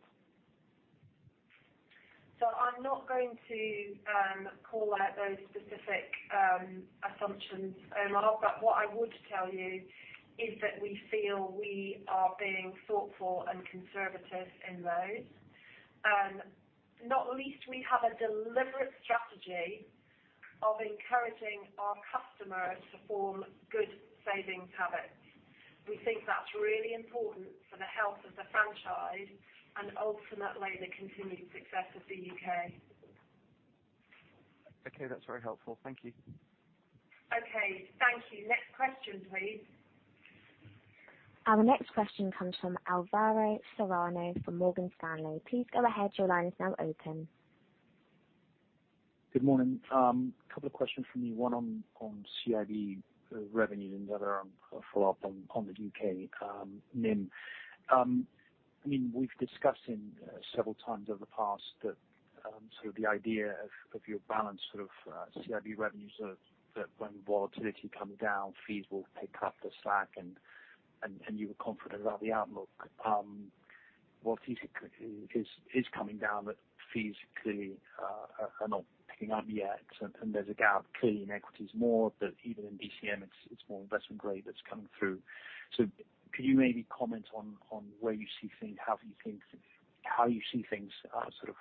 I'm not going to call out those specific assumptions, Omar, but what I would tell you is that we feel we are being thoughtful and conservative in those. Not least, we have a deliberate strategy of encouraging our customers to form good savings habits. We think that's really important for the health of the franchise and ultimately the continued success of the U.K.
Okay. That's very helpful. Thank you.
Okay, thank you. Next question, please.
Our next question comes from Alvaro Serrano from Morgan Stanley. Please go ahead. Your line is now open.
Good morning. A couple of questions from me, one on CIB revenue and the other, a follow-up on the U.K. NIM. I mean, we've discussed in several times over the past that, sort of the idea of your balance sort of, CIB revenues are that when volatility comes down, fees will pick up the slack and you were confident about the outlook. Volatility is coming down, but fees clearly are not picking up yet. There's a gap clearly in equities more that even in DCM it's more investment grade that's coming through. Could you maybe comment on where you see things, how you see things, sort of,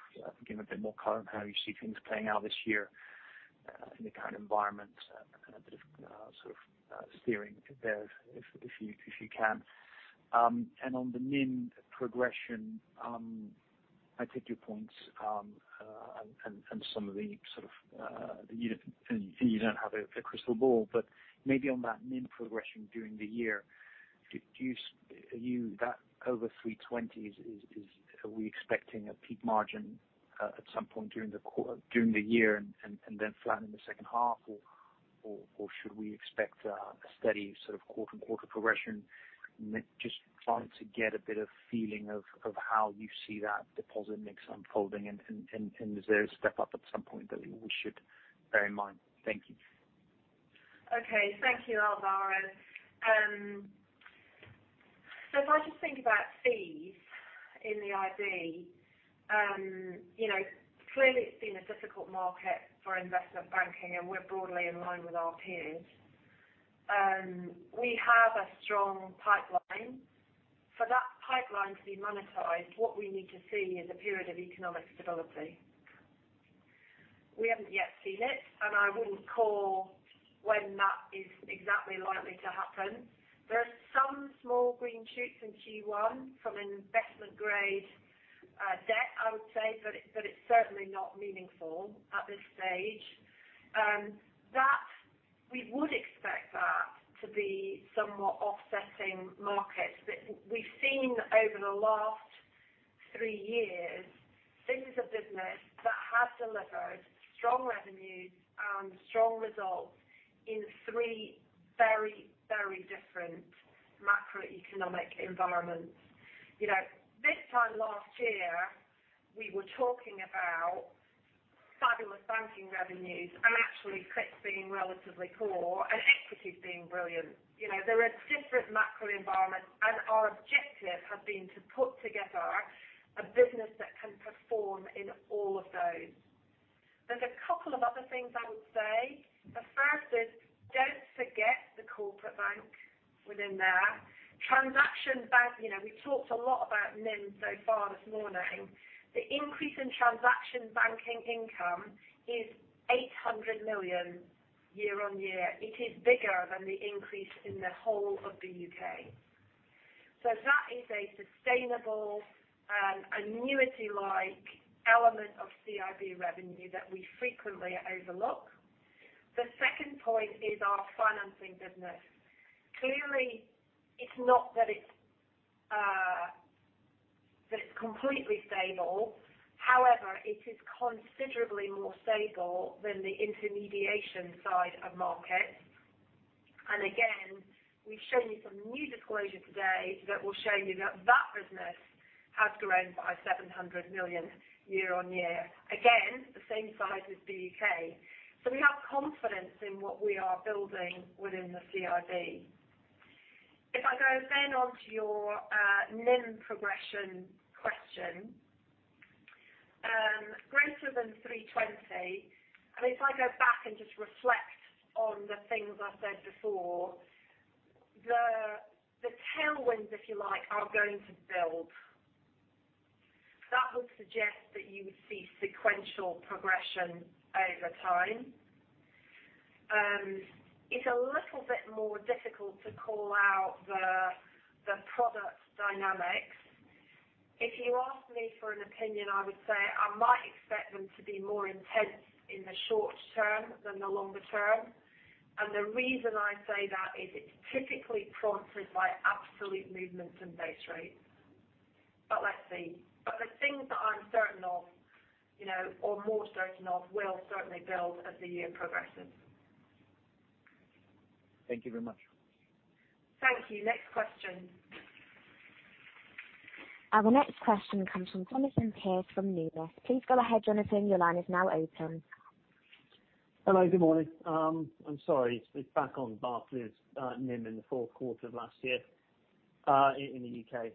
you know, a bit more current, how you see things playing out this year? In the current environment, and a bit of, sort of, steering there if you, if you can. On the NIM progression, I take your points, and some of the sort of, you know, and you don't have a crystal ball, but maybe on that NIM progression during the year, are you That over 320s is, are we expecting a peak margin at some point during the year and then flatten in the second half, or should we expect a steady sort of quarter and quarter progression? Just trying to get a bit of feeling of how you see that deposit mix unfolding, and is there a step up at some point that we should bear in mind? Thank you.
Okay. Thank you, Alvaro. If I just think about fees in the IB, you know, clearly it's been a difficult market for investment banking, and we're broadly in line with our peers. We have a strong pipeline. For that pipeline to be monetized, what we need to see is a period of economic stability. We haven't yet seen it, and I wouldn't call when that is exactly likely to happen. There are some small green shoots in Q1 from investment grade debt, I would say, but it's certainly not meaningful at this stage. We would expect that to be somewhat offsetting markets. We've seen over the last three years, this is a business that has delivered strong revenues and strong results in three very, very different macroeconomic environments. You know, this time last year, we were talking about fabulous banking revenues and actually clips being relatively poor and equities being brilliant. You know, there are different macro environments, and our objective has been to put together a business that can perform in all of those. There's a couple of other things I would say. The first is, don't forget the corporate bank within there. Transaction bank, you know, we've talked a lot about NIM so far this morning. The increase in transaction banking income is 800 million year-on-year. It is bigger than the increase in the whole of the U.K. That is a sustainable, annuity-like element of CIB revenue that we frequently overlook. The second point is our financing business. Clearly, it's not that it's that it's completely stable. However, it is considerably more stable than the intermediation side of markets. Again, we've shown you some new disclosure today that will show you that that business has grown by 700 million year-on-year. Again, the same size as the U.K. We have confidence in what we are building within the CIB. If I go on to your NIM progression question, greater than 320, I mean, if I go back and just reflect on the things I said before, the tailwinds, if you like, are going to build. That would suggest that you would see sequential progression over time. It's a little bit more difficult to call out the product dynamics. If you ask me for an opinion, I would say I might expect them to be more intense in the short term than the longer term. The reason I say that is it's typically prompted by absolute movements in base rates. Let's see. The things that I'm certain of, you know, or more certain of, will certainly build as the year progresses.
Thank you very much.
Thank you. Next question.
The next question comes from Jonathan Pierce from Numis. Please go ahead, Jonathan. Your line is now open.
Hello, good morning. I'm sorry, it's back on Barclays NIM in the fourth quarter of last year in the U.K.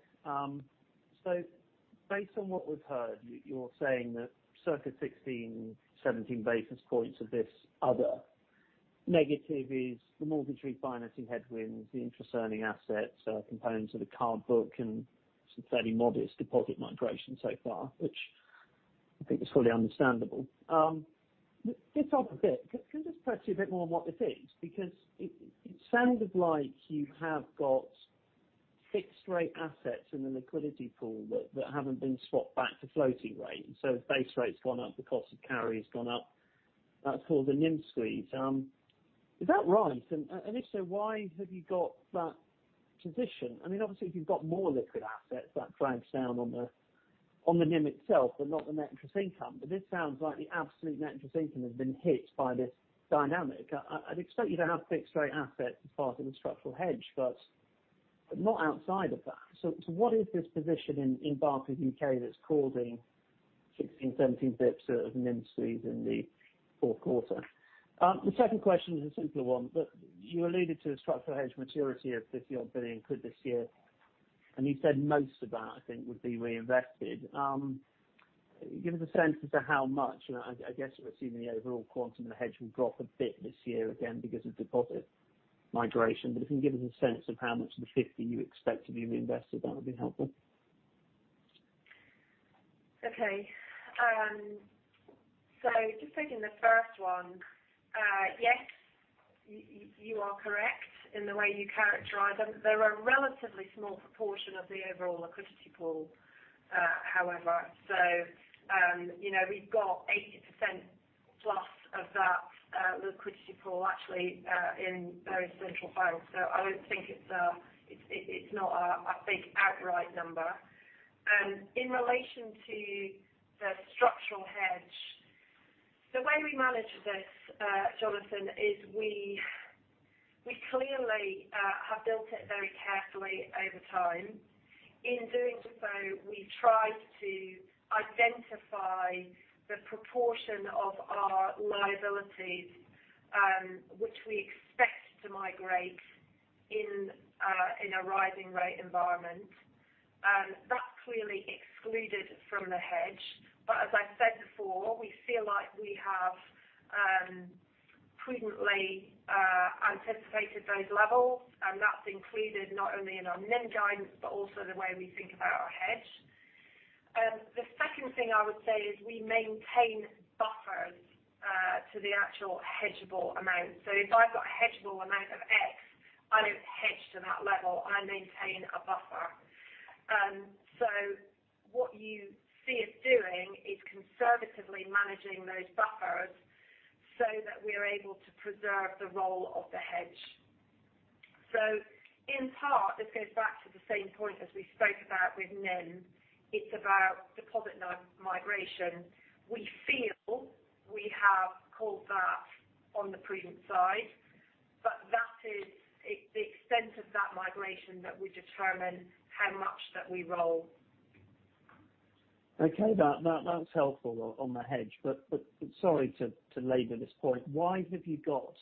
Based on what we've heard, you're saying that circa 16, 17 basis points of this other negative is the mortgage refinancing headwinds, the interest earning assets, components of the card book, and some fairly modest deposit migration so far, which I think is fully understandable. Just off a bit, can you just touch a bit more on what this is? Because it sounded like you have got fixed rate assets in the liquidity pool that haven't been swapped back to floating rate. As base rate's gone up, the cost of carry has gone up. That's called the NIM squeeze. Is that right? And if so, why have you got that position? I mean, obviously, if you've got more liquid assets, that drags down on the NIM itself, but not the net interest income. This sounds like the absolute net interest income has been hit by this dynamic. I'd expect you to have fixed rate assets as part of a structural hedge, but not outside of that. What is this position in Barclays U.K. that's causing 16, 17 basis points of NIM squeeze in the fourth quarter? The second question is a simpler one, you alluded to a structural hedge maturity of 50 odd billion this year, and you said most of that, I think, would be reinvested. Give us a sense as to how much. I guess we're assuming the overall quantum of the hedge will drop a bit this year, again, because of deposit migration. If you can give us a sense of how much of the 50 you expect to be reinvested, that would be helpful.
Okay. Just taking the first one, yes, you are correct in the way you characterize them. They're a relatively small proportion of the overall liquidity pool, however. You know, we've got 80%+ of that liquidity pool actually in various central banks. I don't think it's not a big outright number. In relation to the structural hedge, the way we manage this, Jonathan, is we clearly have built it very carefully over time. In doing so, we've tried to identify the proportion of our liabilities, which we expect to migrate in a rising rate environment. That's clearly excluded from the hedge. As I said before, we feel like we have prudently anticipated those levels, and that's included not only in our NIM guidance but also the way we think about our hedge. The second thing I would say is we maintain buffers to the actual hedgeable amount. If I've got a hedgeable amount of X, I don't hedge to that level. I maintain a buffer. What you see us doing is conservatively managing those buffers so that we're able to preserve the role of the hedge. In part, this goes back to the same point as we spoke about with NIM. It's about deposit migration. We feel we have called that on the prudent side, but that is the extent of that migration that we determine how much that we roll.
Okay. That's helpful on the hedge. Sorry to labor this point, why have you got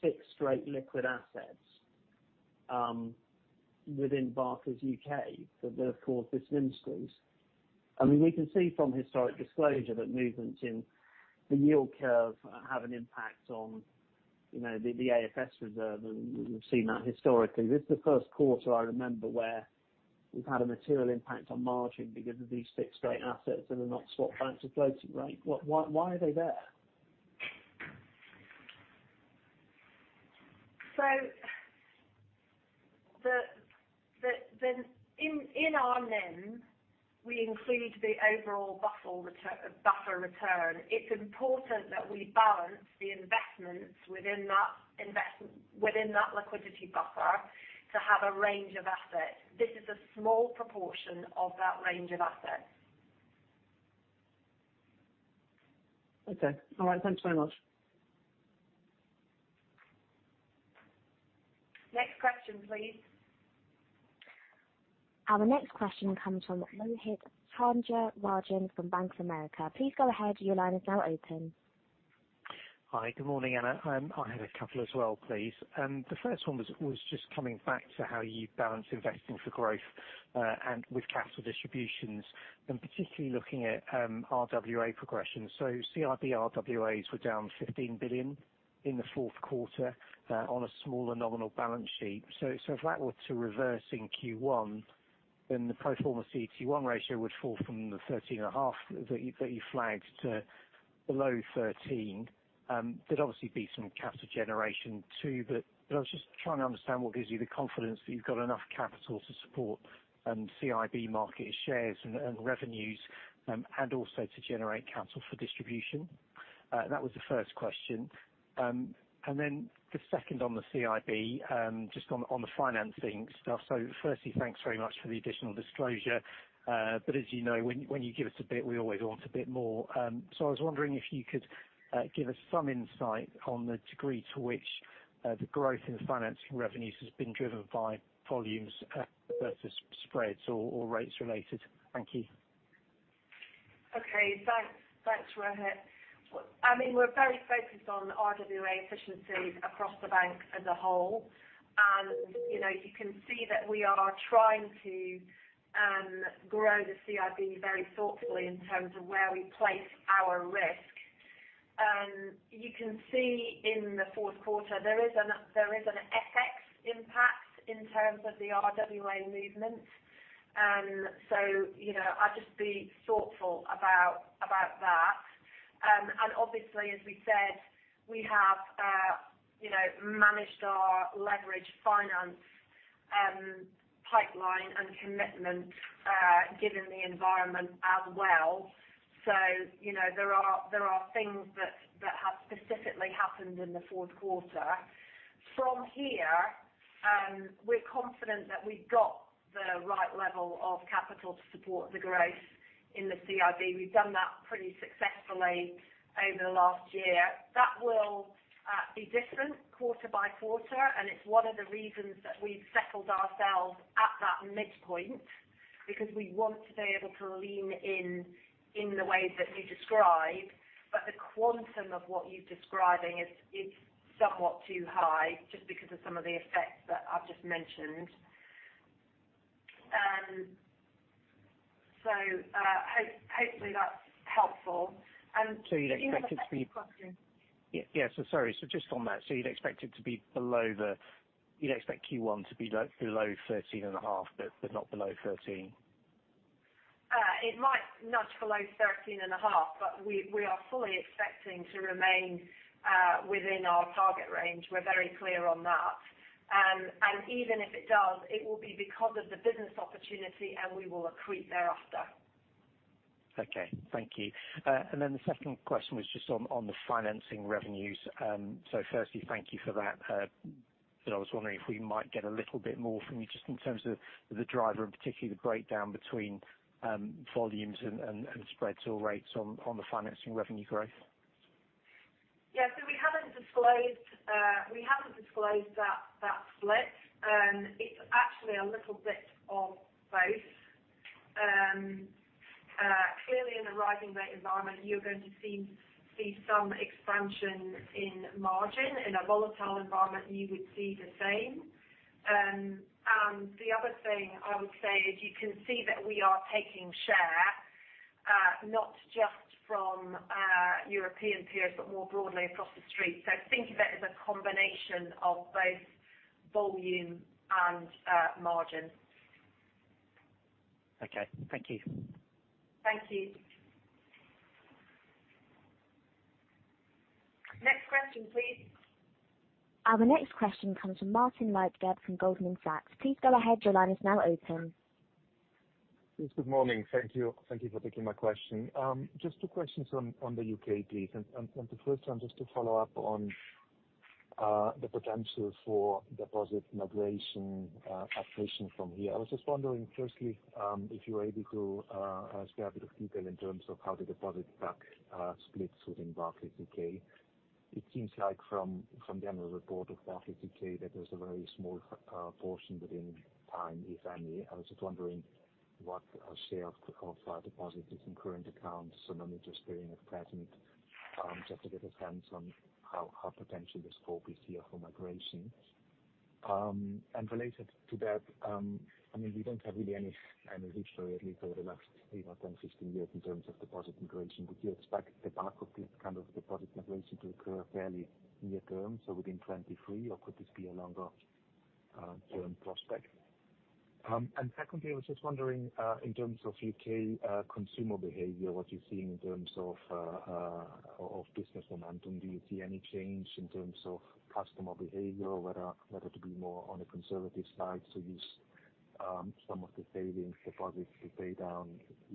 fixed rate liquid assets within Barclays U.K. that have caused this NIM squeeze? I mean, we can see from historic disclosure that movements in the yield curve have an impact on, you know, the AFS reserve, and we've seen that historically. This is the first quarter I remember where we've had a material impact on margin because of these fixed rate assets that are not swap banks' floating rate. Why, why are they there?
In our NIM, we include the overall buffer return. It's important that we balance the investments within that liquidity buffer to have a range of assets. This is a small proportion of that range of assets.
Okay. All right. Thanks very much.
Next question, please.
Our next question comes from Rohith Chandra-Rajan from Bank of America. Please go ahead. Your line is now open.
Hi. Good morning, Anna. I had a couple as well, please. The first one was just coming back to how you balance investing for growth, and with capital distributions, and particularly looking at RWA progression. CIB RWAs were down 15 billion in the fourth quarter on a smaller nominal balance sheet. If that were to reverse in Q1, then the pro forma CET1 ratio would fall from the 13.5 that you flagged to below 13. There'd obviously be some capital generation too, but I was just trying to understand what gives you the confidence that you've got enough capital to support CIB market shares and revenues, and also to generate capital for distribution. That was the first question. The second on the CIB, just on the financing stuff. Firstly, thanks very much for the additional disclosure. As you know, when you give us a bit, we always want a bit more. I was wondering if you could give us some insight on the degree to which the growth in financing revenues has been driven by volumes versus spreads or rates related. Thank you.
Okay. Thanks. Thanks, Rohit. I mean, we're very focused on RWA efficiencies across the bank as a whole. You know, you can see that we are trying to grow the CIB very thoughtfully in terms of where we place our risk. You can see in the fourth quarter there is an FX impact in terms of the RWA movement. You know, I'd just be thoughtful about that. Obviously, as we said, we have, you know, managed our leverage finance pipeline and commitment given the environment as well. You know, there are things that have specifically happened in the fourth quarter. From here, we're confident that we've got the right level of capital to support the growth in the CIB. We've done that pretty successfully over the last year. That will be different quarter by quarter. It's one of the reasons that we've settled ourselves at that midpoint, because we want to be able to lean in in the way that you describe. The quantum of what you're describing is somewhat too high just because of some of the effects that I've just mentioned. Hopefully that's helpful.
You'd expect it to be.
The second question.
Yeah, sorry. Just on that, you'd expect it to be below You'd expect Q1 to be like below 13.5, but not below 13.
It might nudge below 13 and a half. We are fully expecting to remain within our target range. We're very clear on that. Even if it does, it will be because of the business opportunity, and we will accrete thereafter.
Okay. Thank you. The second question was just on the financing revenues. Firstly, thank you for that. I was wondering if we might get a little bit more from you just in terms of the driver and particularly the breakdown between volumes and spreads or rates on the financing revenue growth.
Yeah. We haven't disclosed that split. It's actually a little bit of both. Clearly in a rising rate environment, you're going to see some expansion in margin. In a volatile environment, you would see the same. The other thing I would say is you can see that we are taking share, not just from European peers, but more broadly across the street. Think of it as a combination of both volume and margin.
Okay. Thank you.
Thank you. Next question, please.
Our next question comes from Martin Leitgeb from Goldman Sachs. Please go ahead. Your line is now open.
Yes, good morning. Thank you. Thank you for taking my question. Just two questions on the U.K., please. The first one, just to follow up on the potential for deposit migration, attrition from here. I was just wondering, firstly, if you are able to spare a bit of detail in terms of how the deposit stack splits within Barclays U.K. It seems like from the annual report of Barclays U.K. that there's a very small portion within time, if any. I was just wondering what a share of deposits in current accounts, so not interest-bearing at present, just to get a sense on how potentially the scope is here for migration. Related to that, I mean, we don't have really any kind of history, at least over the last, you know, 10, 15 years in terms of deposit migration. Would you expect the bulk of this kind of deposit migration to occur fairly near term, so within 23, or could this be a longer term prospect? Secondly, I was just wondering, in terms of U.K. consumer behavior, what you're seeing in terms of business momentum. Do you see any change in terms of customer behavior, whether to be more on the conservative side to use some of the savings deposits to pay down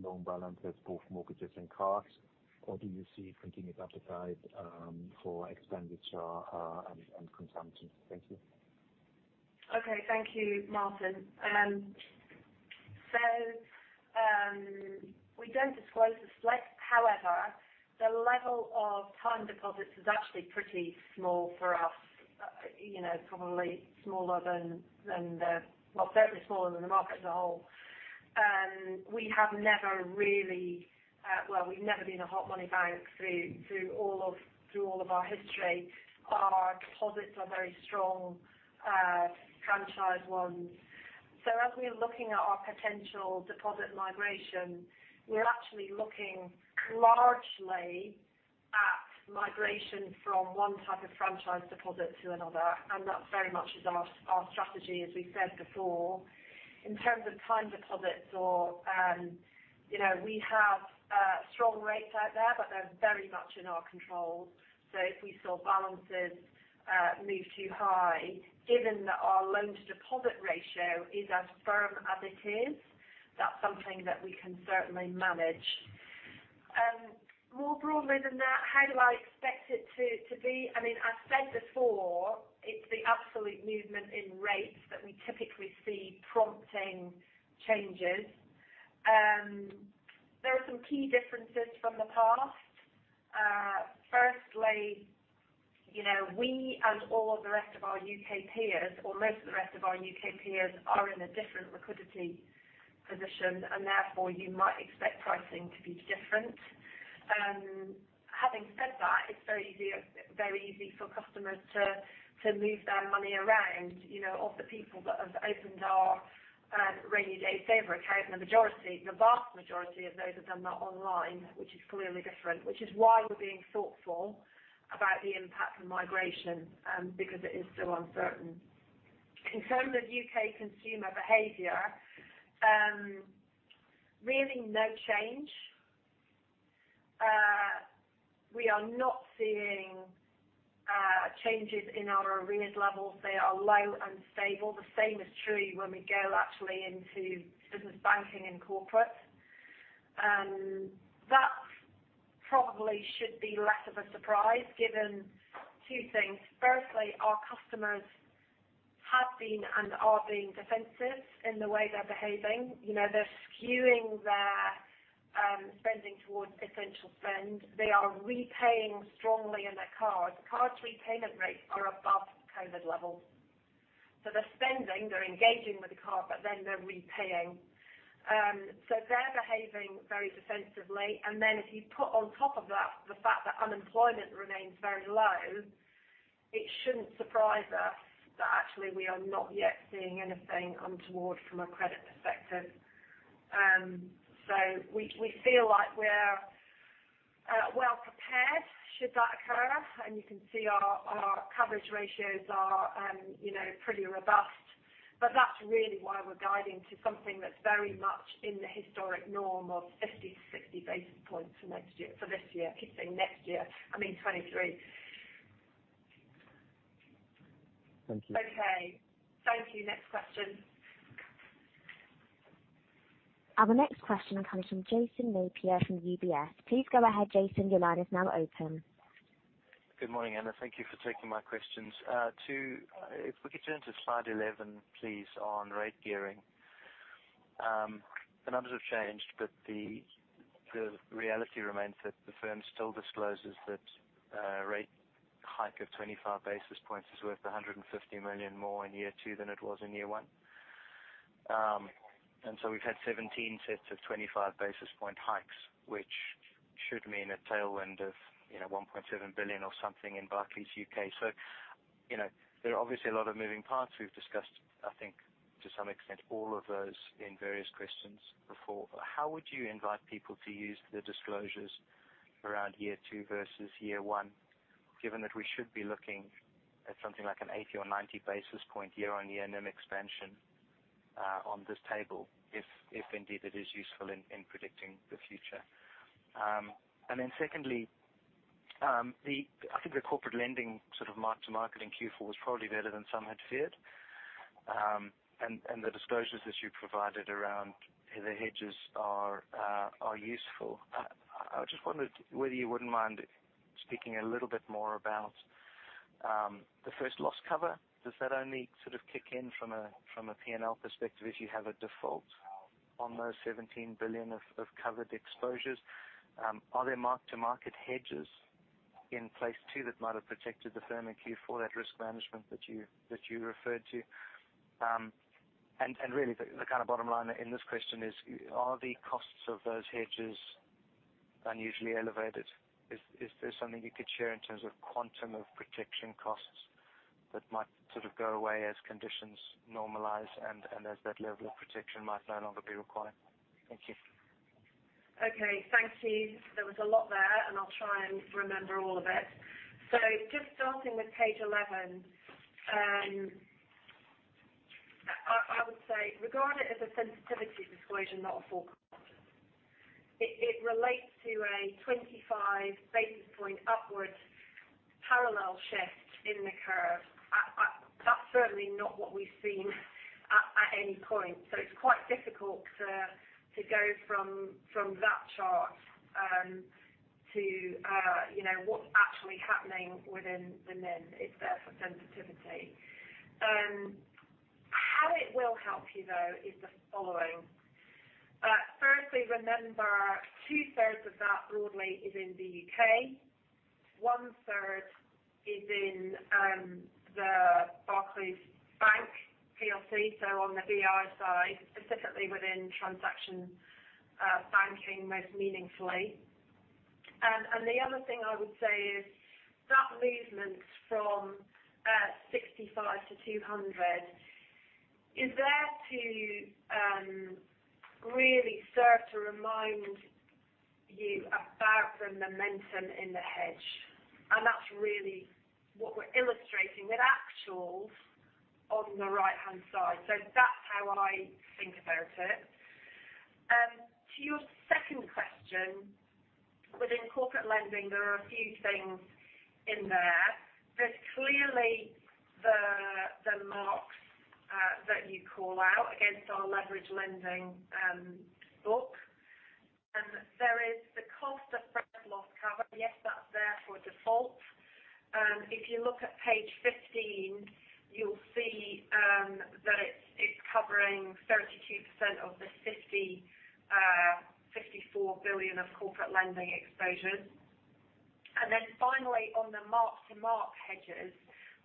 loan balances, both mortgages and cars, or do you see continued appetite for expenditure and consumption? Thank you.
Okay. Thank you, Martin. We don't disclose the split. However, the level of time deposits is actually pretty small for us. You know, probably smaller than the market as a whole. We have never really, we've never been a hot money bank through all of our history. Our deposits are very strong franchise ones. As we're looking at our potential deposit migration, we're actually looking largely at migration from one type of franchise deposit to another, and that very much is our strategy, as we said before. In terms of time deposits or, you know, we have strong rates out there, but they're very much in our control. If we saw balances move too high, given that our loan to deposit ratio is as firm as it is, that's something that we can certainly manage. More broadly than that, how do I expect it to be? I mean, I've said before, it's the absolute movement in rates that we typically see prompting changes. There are some key differences from the past. Firstly, you know, we and all of the rest of our U.K. peers, or most of the rest of our U.K. peers, are in a different liquidity position, and therefore you might expect pricing to be different. Having said that, it's very easy for customers to move their money around. You know, of the people that have opened our Rainy Day Saver account, the majority, the vast majority of those have done that online, which is clearly different, which is why we're being thoughtful about the impact of migration because it is so uncertain. In terms of U.K. consumer behavior, really no change. We are not seeing changes in our arrears levels. They are low and stable. The same is true when we go actually into business banking and corporate. That probably should be less of a surprise given two things. Firstly, our customers have been and are being defensive in the way they're behaving. You know, they're skewing their spending towards essential spend. They are repaying strongly in their cards. Cards repayment rates are above COVID levels. They're spending, they're engaging with the card, they're repaying. They're behaving very defensively. If you put on top of that the fact that unemployment remains very low, it shouldn't surprise us that actually we are not yet seeing anything untoward from a credit perspective. We feel like we're well prepared should that occur. You can see our coverage ratios are, you know, pretty robust. That's really why we're guiding to something that's very much in the historic norm of 50 to 60 basis points for next year. For this year. I keep saying next year. I mean 2023.
Thank you.
Okay. Thank you. Next question.
Our next question comes from Jason Napier from UBS. Please go ahead, Jason. Your line is now open.
Good morning, Anna. Thank you for taking my questions. If we could turn to slide 11, please, on rate gearing. The numbers have changed, but the reality remains that the firm still discloses that a rate hike of 25 basis points is worth 150 million more in year two than it was in year 1. We've had 17 sets of 25 basis point hikes, which should mean a tailwind of, you know, 1.7 billion or something in Barclays U.K. You know, there are obviously a lot of moving parts we've discussed, I think to some extent, all of those in various questions before. How would you invite people to use the disclosures around year two versus year one, given that we should be looking at something like an 80 or 90 basis point year-on-year NIM expansion on this table, if indeed it is useful in predicting the future? Secondly, I think the corporate lending sort of mark-to-market in Q4 was probably better than some had feared. The disclosures that you provided around the hedges are useful. I just wondered whether you wouldn't mind speaking a little bit more about the first loss cover. Does that only sort of kick in from a P&L perspective if you have a default on those 17 billion of covered exposures? Are there mark-to-market hedges in place too that might have protected the firm in Q4, that risk management that you referred to? Really, the kind of bottom line in this question is, are the costs of those hedges unusually elevated? Is there something you could share in terms of quantum of protection costs that might sort of go away as conditions normalize and as that level of protection might no longer be required? Thank you.
Okay. Thanks, Steve. There was a lot there, and I'll try and remember all of it. Just starting with page 11, I would say regard it as a sensitivity disclosure, not a forecast. It, it relates to a 25 basis point upward parallel shift in the curve. That's certainly not what we've seen at any point, so it's quite difficult to go from that chart to, you know, what's actually happening within the NIM. It's there for sensitivity. How it will help you, though, is the following. Remember two-thirds of that broadly is in the U.K. One-third is in the Barclays Bank PLC, so on the BI side, specifically within transaction banking most meaningfully. The other thing I would say is that movement from 65 to 200 is there to really serve to remind you about the momentum in the hedge, and that's really what we're illustrating with actuals on the right-hand side. That's how I think about it. To your second question, within corporate lending, there are a few things in there. There's clearly the marks that you call out against our leverage lending book. There is the cost of credit loss cover. Yes, that's there for default. If you look at page 15, you'll see that it's covering 32% of the 54 billion of corporate lending exposures. Finally, on the mark-to-market hedges,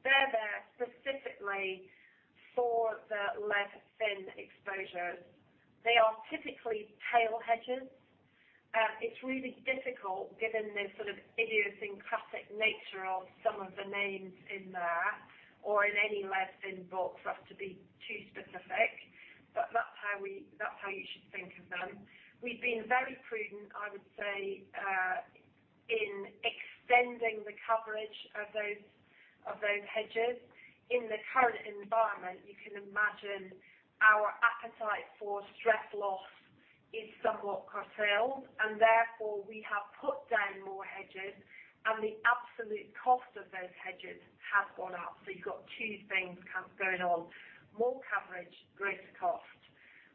they're there specifically for the lev fin exposure. They are typically tail hedges. It's really difficult given the sort of idiosyncratic nature of some of the names in there or in any lev fin book for us to be too specific, but that's how you should think of them. We've been very prudent, I would say, in extending the coverage of those hedges. In the current environment, you can imagine our appetite for stress loss is somewhat curtailed, and therefore we have put down more hedges, and the absolute cost of those hedges has gone up. You've got two things going on, more coverage, greater cost.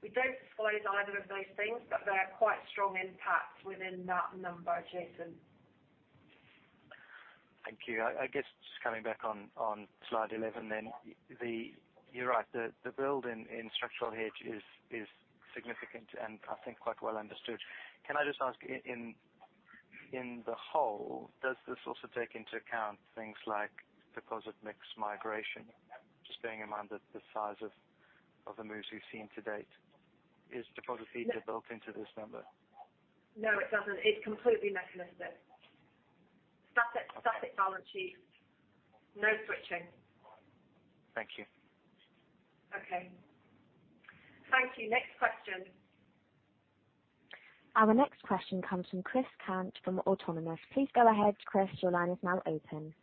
We don't disclose either of those things, but they are quite strong impacts within that number, Jason.
Thank you. I guess just coming back on slide 11. You're right. The build in structural hedge is significant and I think quite well understood. Can I just ask in the whole, does this also take into account things like deposit mix migration? Just bearing in mind that the size of the moves we've seen to date.
No.
Built into this number?
No, it doesn't. It's completely merciless. Static balance sheet. No switching.
Thank you.
Okay. Thank you. Next question.
Our next question comes from Chris Cant from Autonomous. Please go ahead, Chris. Your line is now open.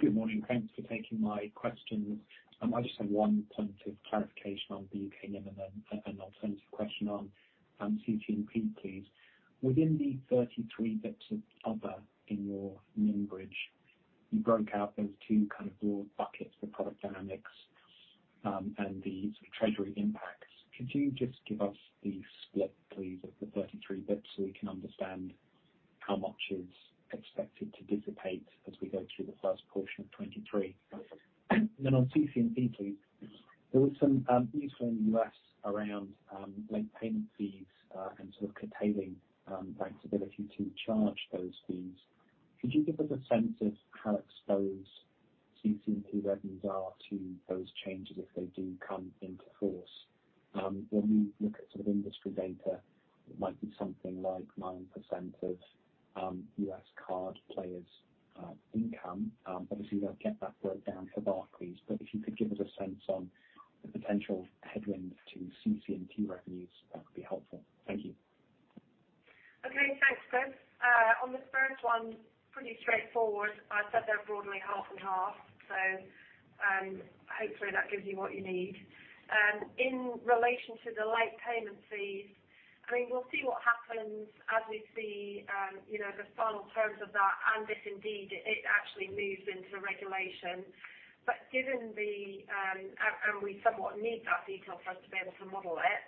Good morning. Thanks for taking my questions. I just have one point of clarification on the U.K. NIM and then an alternative question on CC&P, please. Within the 33 basis points of other in your NIM bridge, you broke out those two kind of broad buckets for product dynamics and the treasury impacts. Could you just give us the split, please, of the 33 basis points so we can understand how much is expected to dissipate as we go through the first portion of 2023? On CC&P please, there was some news from the U.S. around late payment fees and sort of curtailing banks' ability to charge those fees. Could you give us a sense of how exposed CC&P revenues are to those changes if they do come into force? When we look at sort of industry data, it might be something like 9% of U.S. card players income. Obviously, we don't get that breakdown for Barclays, but if you could give us a sense on the potential headwind to CC&P revenues, that would be helpful. Thank you.
Okay. Thanks, Chris. On the first one, pretty straightforward. I said they're broadly half and half, so hopefully that gives you what you need. In relation to the late payment fees, I mean, we'll see what happens as we see, you know, the final terms of that and if indeed it actually moves into regulation. Given the, and we somewhat need that detail for us to be able to model it.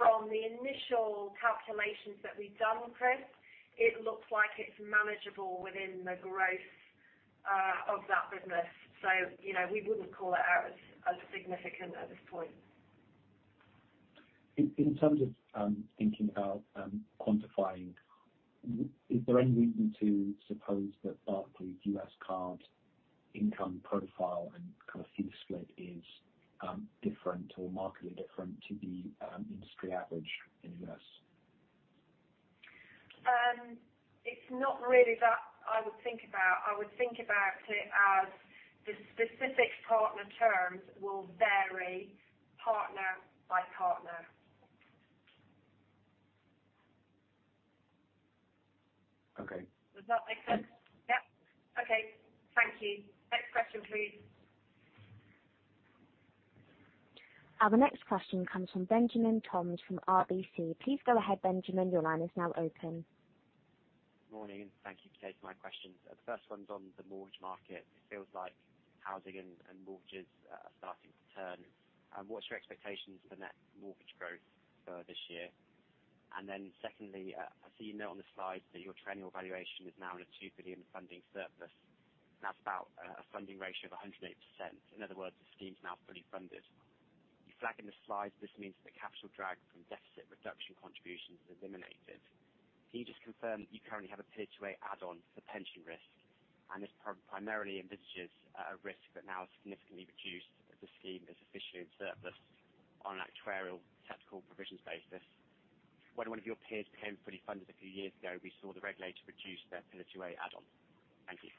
From the initial calculations that we've done, Chris, it looks like it's manageable within the growth of that business. You know, we wouldn't call it out as significant at this point.
In terms of thinking about quantifying, is there any reason to suppose that Barclays' U.S. card income profile and kind of fee split is different or markedly different to the industry average in the U.S.?
It's not really that I would think about. I would think about it as the specific partner terms will vary partner by partner.
Okay.
Does that make sense? Yep. Okay. Thank you. Next question, please.
Our next question comes from Benjamin Toms from RBC. Please go ahead, Benjamin. Your line is now open.
Morning. Thank you for taking my questions. The first one's on the mortgage market. It feels like housing and mortgages are starting to turn. What's your expectations for net mortgage growth for this year? Secondly, I see you note on the slide that your triennial valuation is now on a 2 billion funding surplus. That's about a funding ratio of 108%. In other words, the scheme is now fully funded. You flag in the slides this means that capital drag from deficit reduction contributions is eliminated. Can you just confirm that you currently have a Pillar 2 add-on for pension risk, this primarily envisages a risk that now is significantly reduced as the scheme is officially in surplus on an actuarial technical provisions basis. When one of your peers became fully funded a few years ago, we saw the regulator reduce their Pillar 2 add-on. Thank you.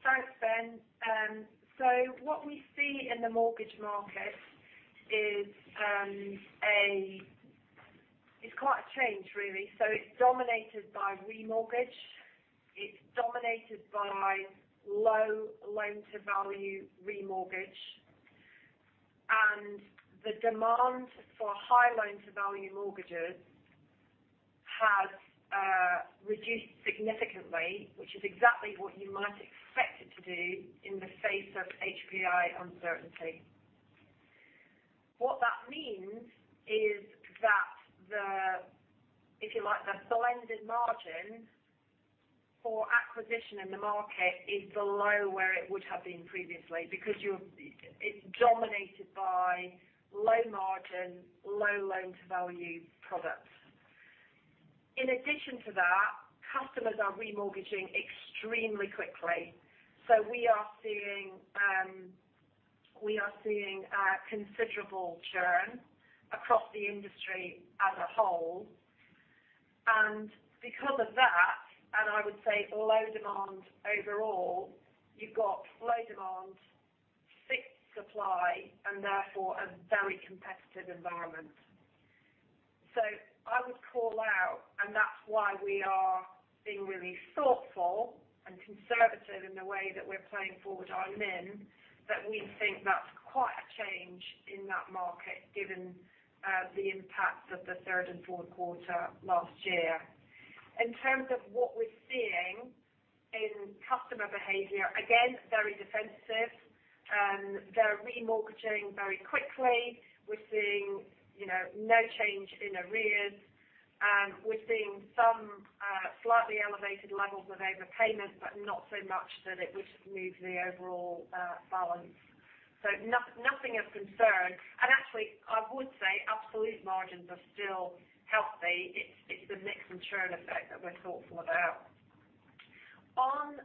Thanks, Ben. What we see in the mortgage market is it's quite a change really. It's dominated by remortgage. It's dominated by low loan-to-value remortgage. The demand for high loan-to-value mortgages has reduced significantly, which is exactly what you might expect it to do in the face of HPI uncertainty. What that means is that the, if you like, the blended margin for acquisition in the market is below where it would have been previously because it's dominated by low margin, low loan-to-value products. In addition to that, customers are remortgaging extremely quickly. We are seeing a considerable churn across the industry as a whole. Because of that, and I would say low demand overall, you've got low demand, fixed supply, and therefore a very competitive environment. I would call out, and that's why we are being really thoughtful and conservative in the way that we're playing forward on NIM, that we think that's quite a change in that market given the impacts of the third and fourth quarter last year. In terms of what we're seeing in customer behavior, again, very defensive. They're remortgaging very quickly. We're seeing, you know, no change in arrears. We're seeing some slightly elevated levels of overpayment, but not so much that it would move the overall balance. Nothing of concern. And actually, I would say absolute margins are still healthy. It's the mix and churn effect that we're thoughtful about. On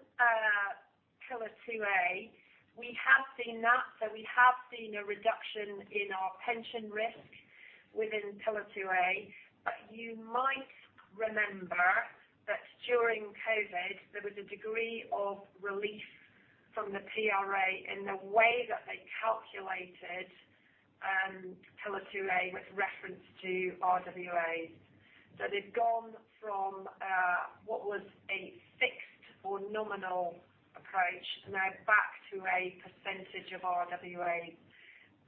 Pillar 2A, we have seen that. We have seen a reduction in our pension risk within Pillar 2A. You might remember that during COVID, there was a degree of relief from the PRA in the way that they calculated, Pillar 2A with reference to RWA. They've gone from, what was a fixed or nominal approach. Now back to a percentage of RWA.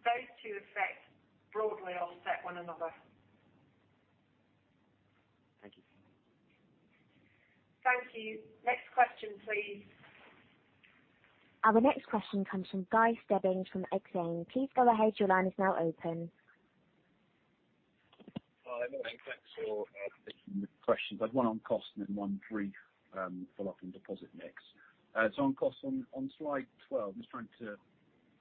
Those two effects broadly offset one another.
Thank you.
Thank you. Next question, please.
Our next question comes from Guy Stebbings from Exane. Please go ahead. Your line is now open.
Hi, morning. Thanks for taking the questions. I have one on cost and then one brief follow-up on deposit mix. On cost on slide 12, just trying to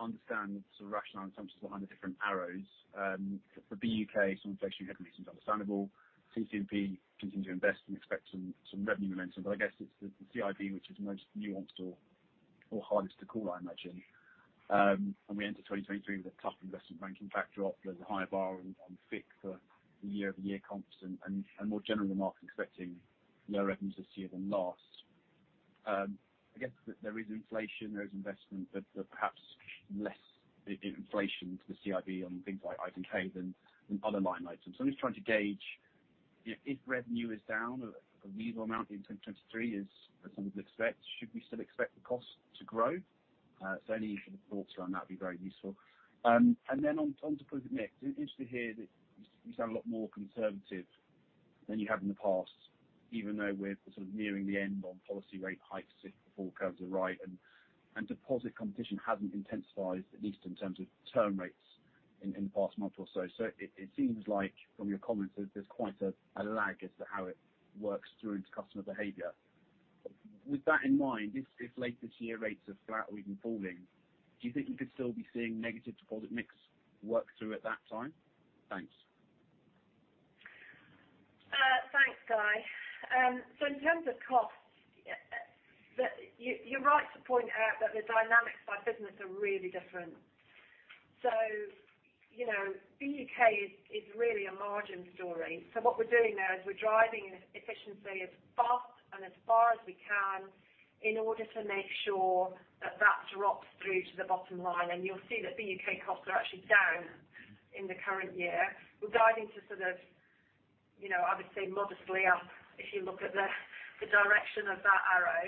understand sort of rationale in terms of behind the different arrows. For BUK, some inflation you had recently is understandable. CIB, continue to invest and expect some revenue momentum. I guess it's the CIB which is the most nuanced or hardest to call, I imagine. We enter 2023 with a tough investment banking backdrop. There's a higher bar on FICC for year-over-year comps and more generally, the market's expecting lower revenues this year than last. I guess there is inflation, there is investment, but perhaps less inflation to the CIB on things like IB pay and other line items. I'm just trying to gauge if revenue is down a reasonable amount in 2023 as some would expect, should we still expect the cost to grow? Any sort of thoughts around that would be very useful. Then on top of deposit mix, it was interesting to hear that you sound a lot more conservative than you have in the past, even though we're sort of nearing the end on policy rate hikes if forecast are right. Deposit competition hasn't intensified, at least in terms of term rates in the past month or so. It seems like from your comments that there's quite a lag as to how it works through into customer behavior. With that in mind, if later this year rates are flat or even falling, do you think we could still be seeing negative deposit mix work through at that time? Thanks.
Thanks, Guy. In terms of costs, you're right to point out that the dynamics by business are really different. You know, BUK is really a margin story. What we're doing there is we're driving efficiency as fast and as far as we can in order to make sure that that drops through to the bottom line. You'll see that BUK costs are actually down in the current year. We're guiding to sort of, you know, I would say modestly up if you look at the direction of that arrow.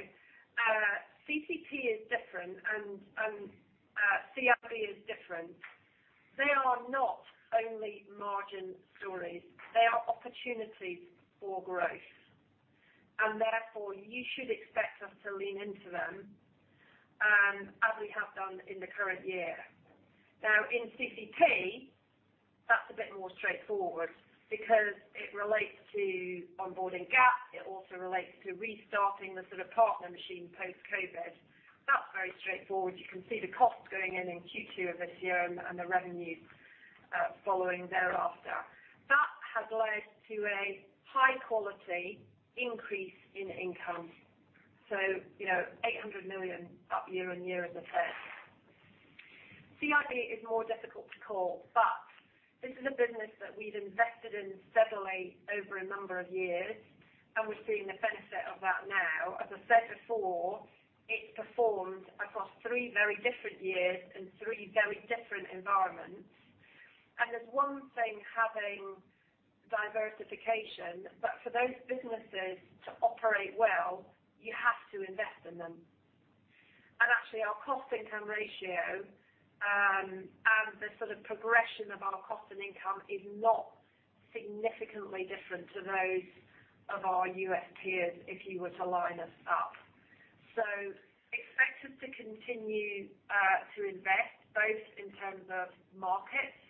CC&P is different and CIB is different. They are not only margin stories, they are opportunities for growth, and therefore you should expect us to lean into them as we have done in the current year. In CC&P, that's a bit more straightforward because it relates to onboarding Gap. It also relates to restarting the sort of partner machine post-COVID. That's very straightforward. You can see the costs going in in Q2 of this year and the revenue following thereafter. That has led to a high quality increase in income. You know, 800 million up year-on-year is the take. CIB is more difficult to call, but this is a business that we've invested in steadily over a number of years, and we're seeing the benefit of that now. As I said before, it's performed across three very different years and three very different environments. It's one thing having diversification, but for those businesses to operate well, you have to invest in them. Actually, our cost income ratio, and the sort of progression of our cost and income is not significantly different to those of our U.S. peers if you were to line us up. Expect us to continue to invest both in terms of markets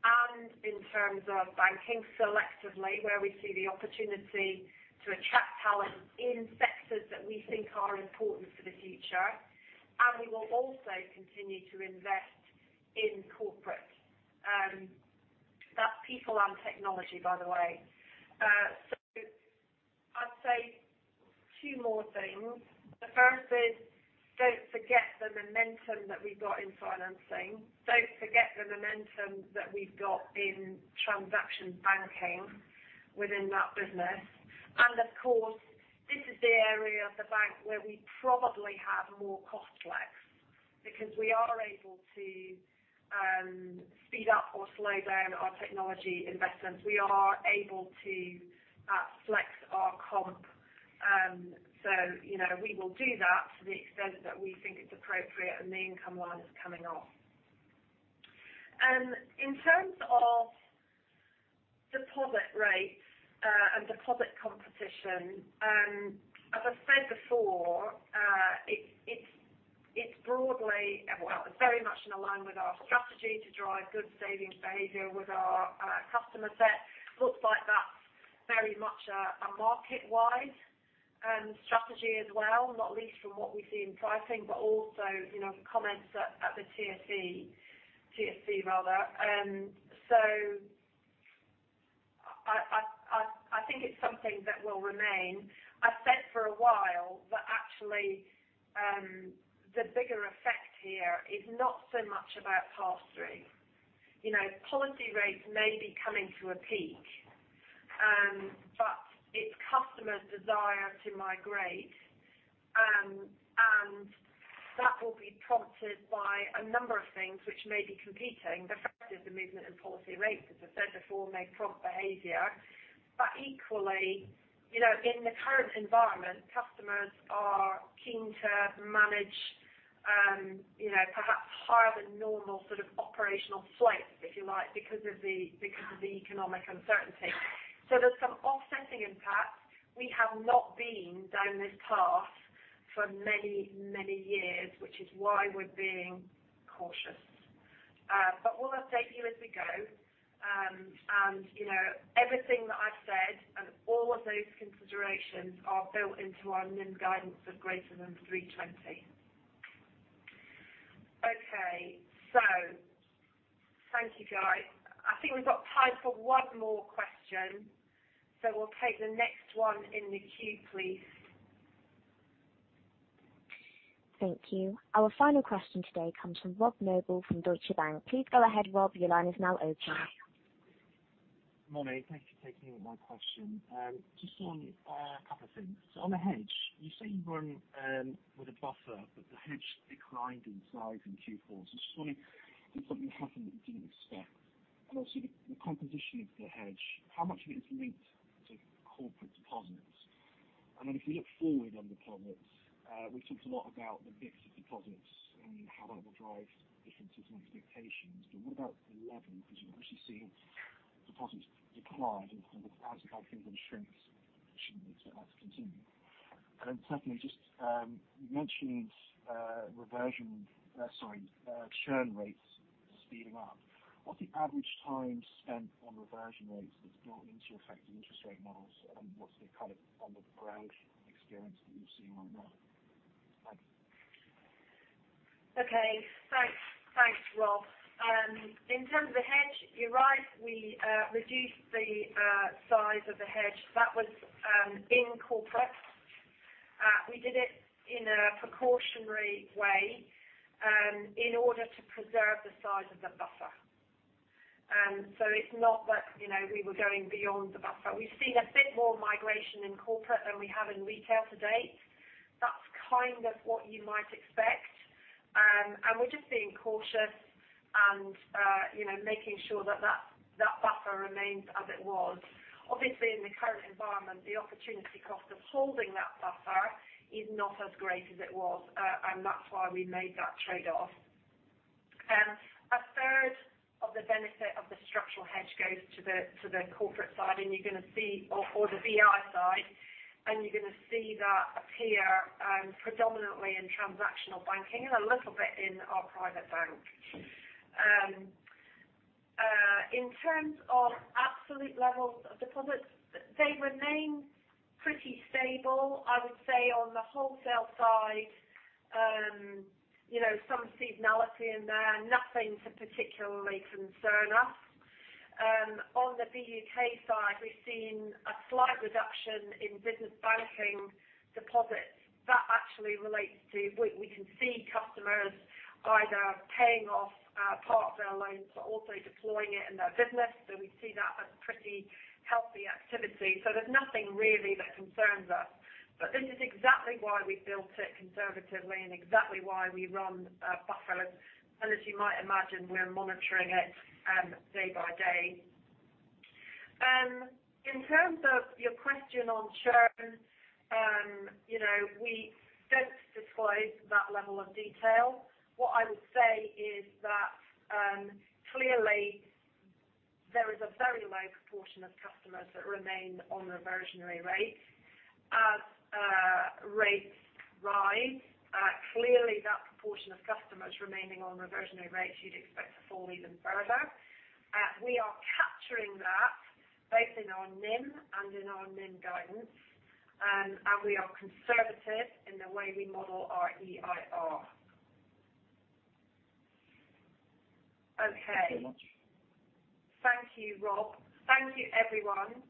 and in terms of banking selectively, where we see the opportunity to attract talent in sectors that we think are important for the future. We will also continue to invest in corporate. That's people and technology, by the way. I'd say two more things. The first is, don't forget the momentum that we've got in financing. Don't forget the momentum that we've got in transaction banking within that business. Of course, this is the area of the bank where we probably have more cost flex because we are able to speed up or slow down our technology investments. We are able to flex our comp. You know, we will do that to the extent that we think it's appropriate and the income line is coming off. In terms of deposit rates and deposit competition, as I said before, it's, it's broadly, well, it's very much in line with our strategy to drive good savings behavior with our customer set. Looks like that's very much a market-wide strategy as well, not least from what we see in pricing, but also, you know, the comments at the TSC rather. I think it's something that will remain. I've said for a while that actually, the bigger effect here is not so much about pass-through. You know, policy rates may be coming to a peak, it's customers' desire to migrate, and that will be prompted by a number of things which may be competing. The fact is the movement in policy rates, as I said before, may prompt behavior. Equally, you know, in the current environment, customers are keen to manage, you know, perhaps higher than normal sort of operational slates, if you like, because of the economic uncertainty. There's some offsetting impacts. We have not been down this path for many, many years, which is why we're being cautious. We'll update you as we go. You know, everything that I've said and all of those considerations are built into our NIM guidance of greater than 320. Okay. Thank you, guys. I think we've got time for one more question. We'll take the next one in the queue, please.
Thank you. Our final question today comes from Rob Noble from Deutsche Bank. Please go ahead, Rob. Your line is now open.
Morning. Thank you for taking my question. Just on a couple of things. On the hedge, you say you run with a buffer. The hedge declined in size in Q4. Just wondering if something happened that you didn't expect. Also the composition of the hedge, how much of it is linked to corporate deposits? If you look forward on deposits, we've talked a lot about the mix of deposits and how that will drive differences in expectations. What about the level? Because you've obviously seen deposits decline as our balance sheet shrinks. Shouldn't it be set out to continue? Secondly, just you mentioned churn rates speeding up. What's the average time spent on reversion rates that's built into effective interest rate models? What's the kind of on the ground experience that you're seeing on that? Thanks.
Okay. Thanks. Thanks, Rob. In terms of the hedge, you're right, we reduced the size of the hedge. That was in corporate. We did it in a precautionary way in order to preserve the size of the buffer. It's not that, you know, we were going beyond the buffer. We've seen a bit more migration in corporate than we have in retail to date. That's kind of what you might expect. We're just being cautious and, you know, making sure that that buffer remains as it was. Obviously, in the current environment, the opportunity cost of holding that buffer is not as great as it was, and that's why we made that trade-off. A third of the benefit of the structural hedge goes to the, to the corporate side, and you're gonna see... or the BI side, you're gonna see that appear predominantly in transactional banking and a little bit in our private bank. In terms of absolute levels of deposits, they remain pretty stable. I would say on the wholesale side, you know, some seasonality in there, nothing to particularly concern us. On the BUK side, we've seen a slight reduction in business banking deposits. That actually relates to we can see customers either paying off parts of their loans but also deploying it in their business. We see that as pretty healthy activity. There's nothing really that concerns us. This is exactly why we built it conservatively and exactly why we run a buffer. As you might imagine, we're monitoring it day by day. In terms of your question on churn, you know, we don't disclose that level of detail. What I would say is that, clearly there is a very low proportion of customers that remain on reversionary rates. As rates rise, clearly that proportion of customers remaining on reversionary rates you'd expect to fall even further. We are capturing that both in our NIM and in our NIM guidance. We are conservative in the way we model our EIR. Okay.
Thank you much.
Thank you, Rob. Thank you everyone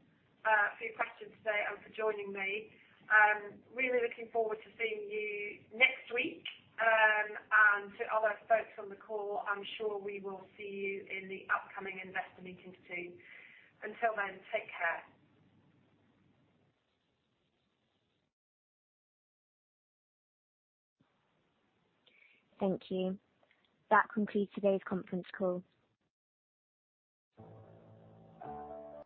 for your questions today and for joining me. Really looking forward to seeing you next week. To other folks on the call, I'm sure we will see you in the upcoming investor meetings too. Until then, take care.
Thank you. That concludes today's conference call.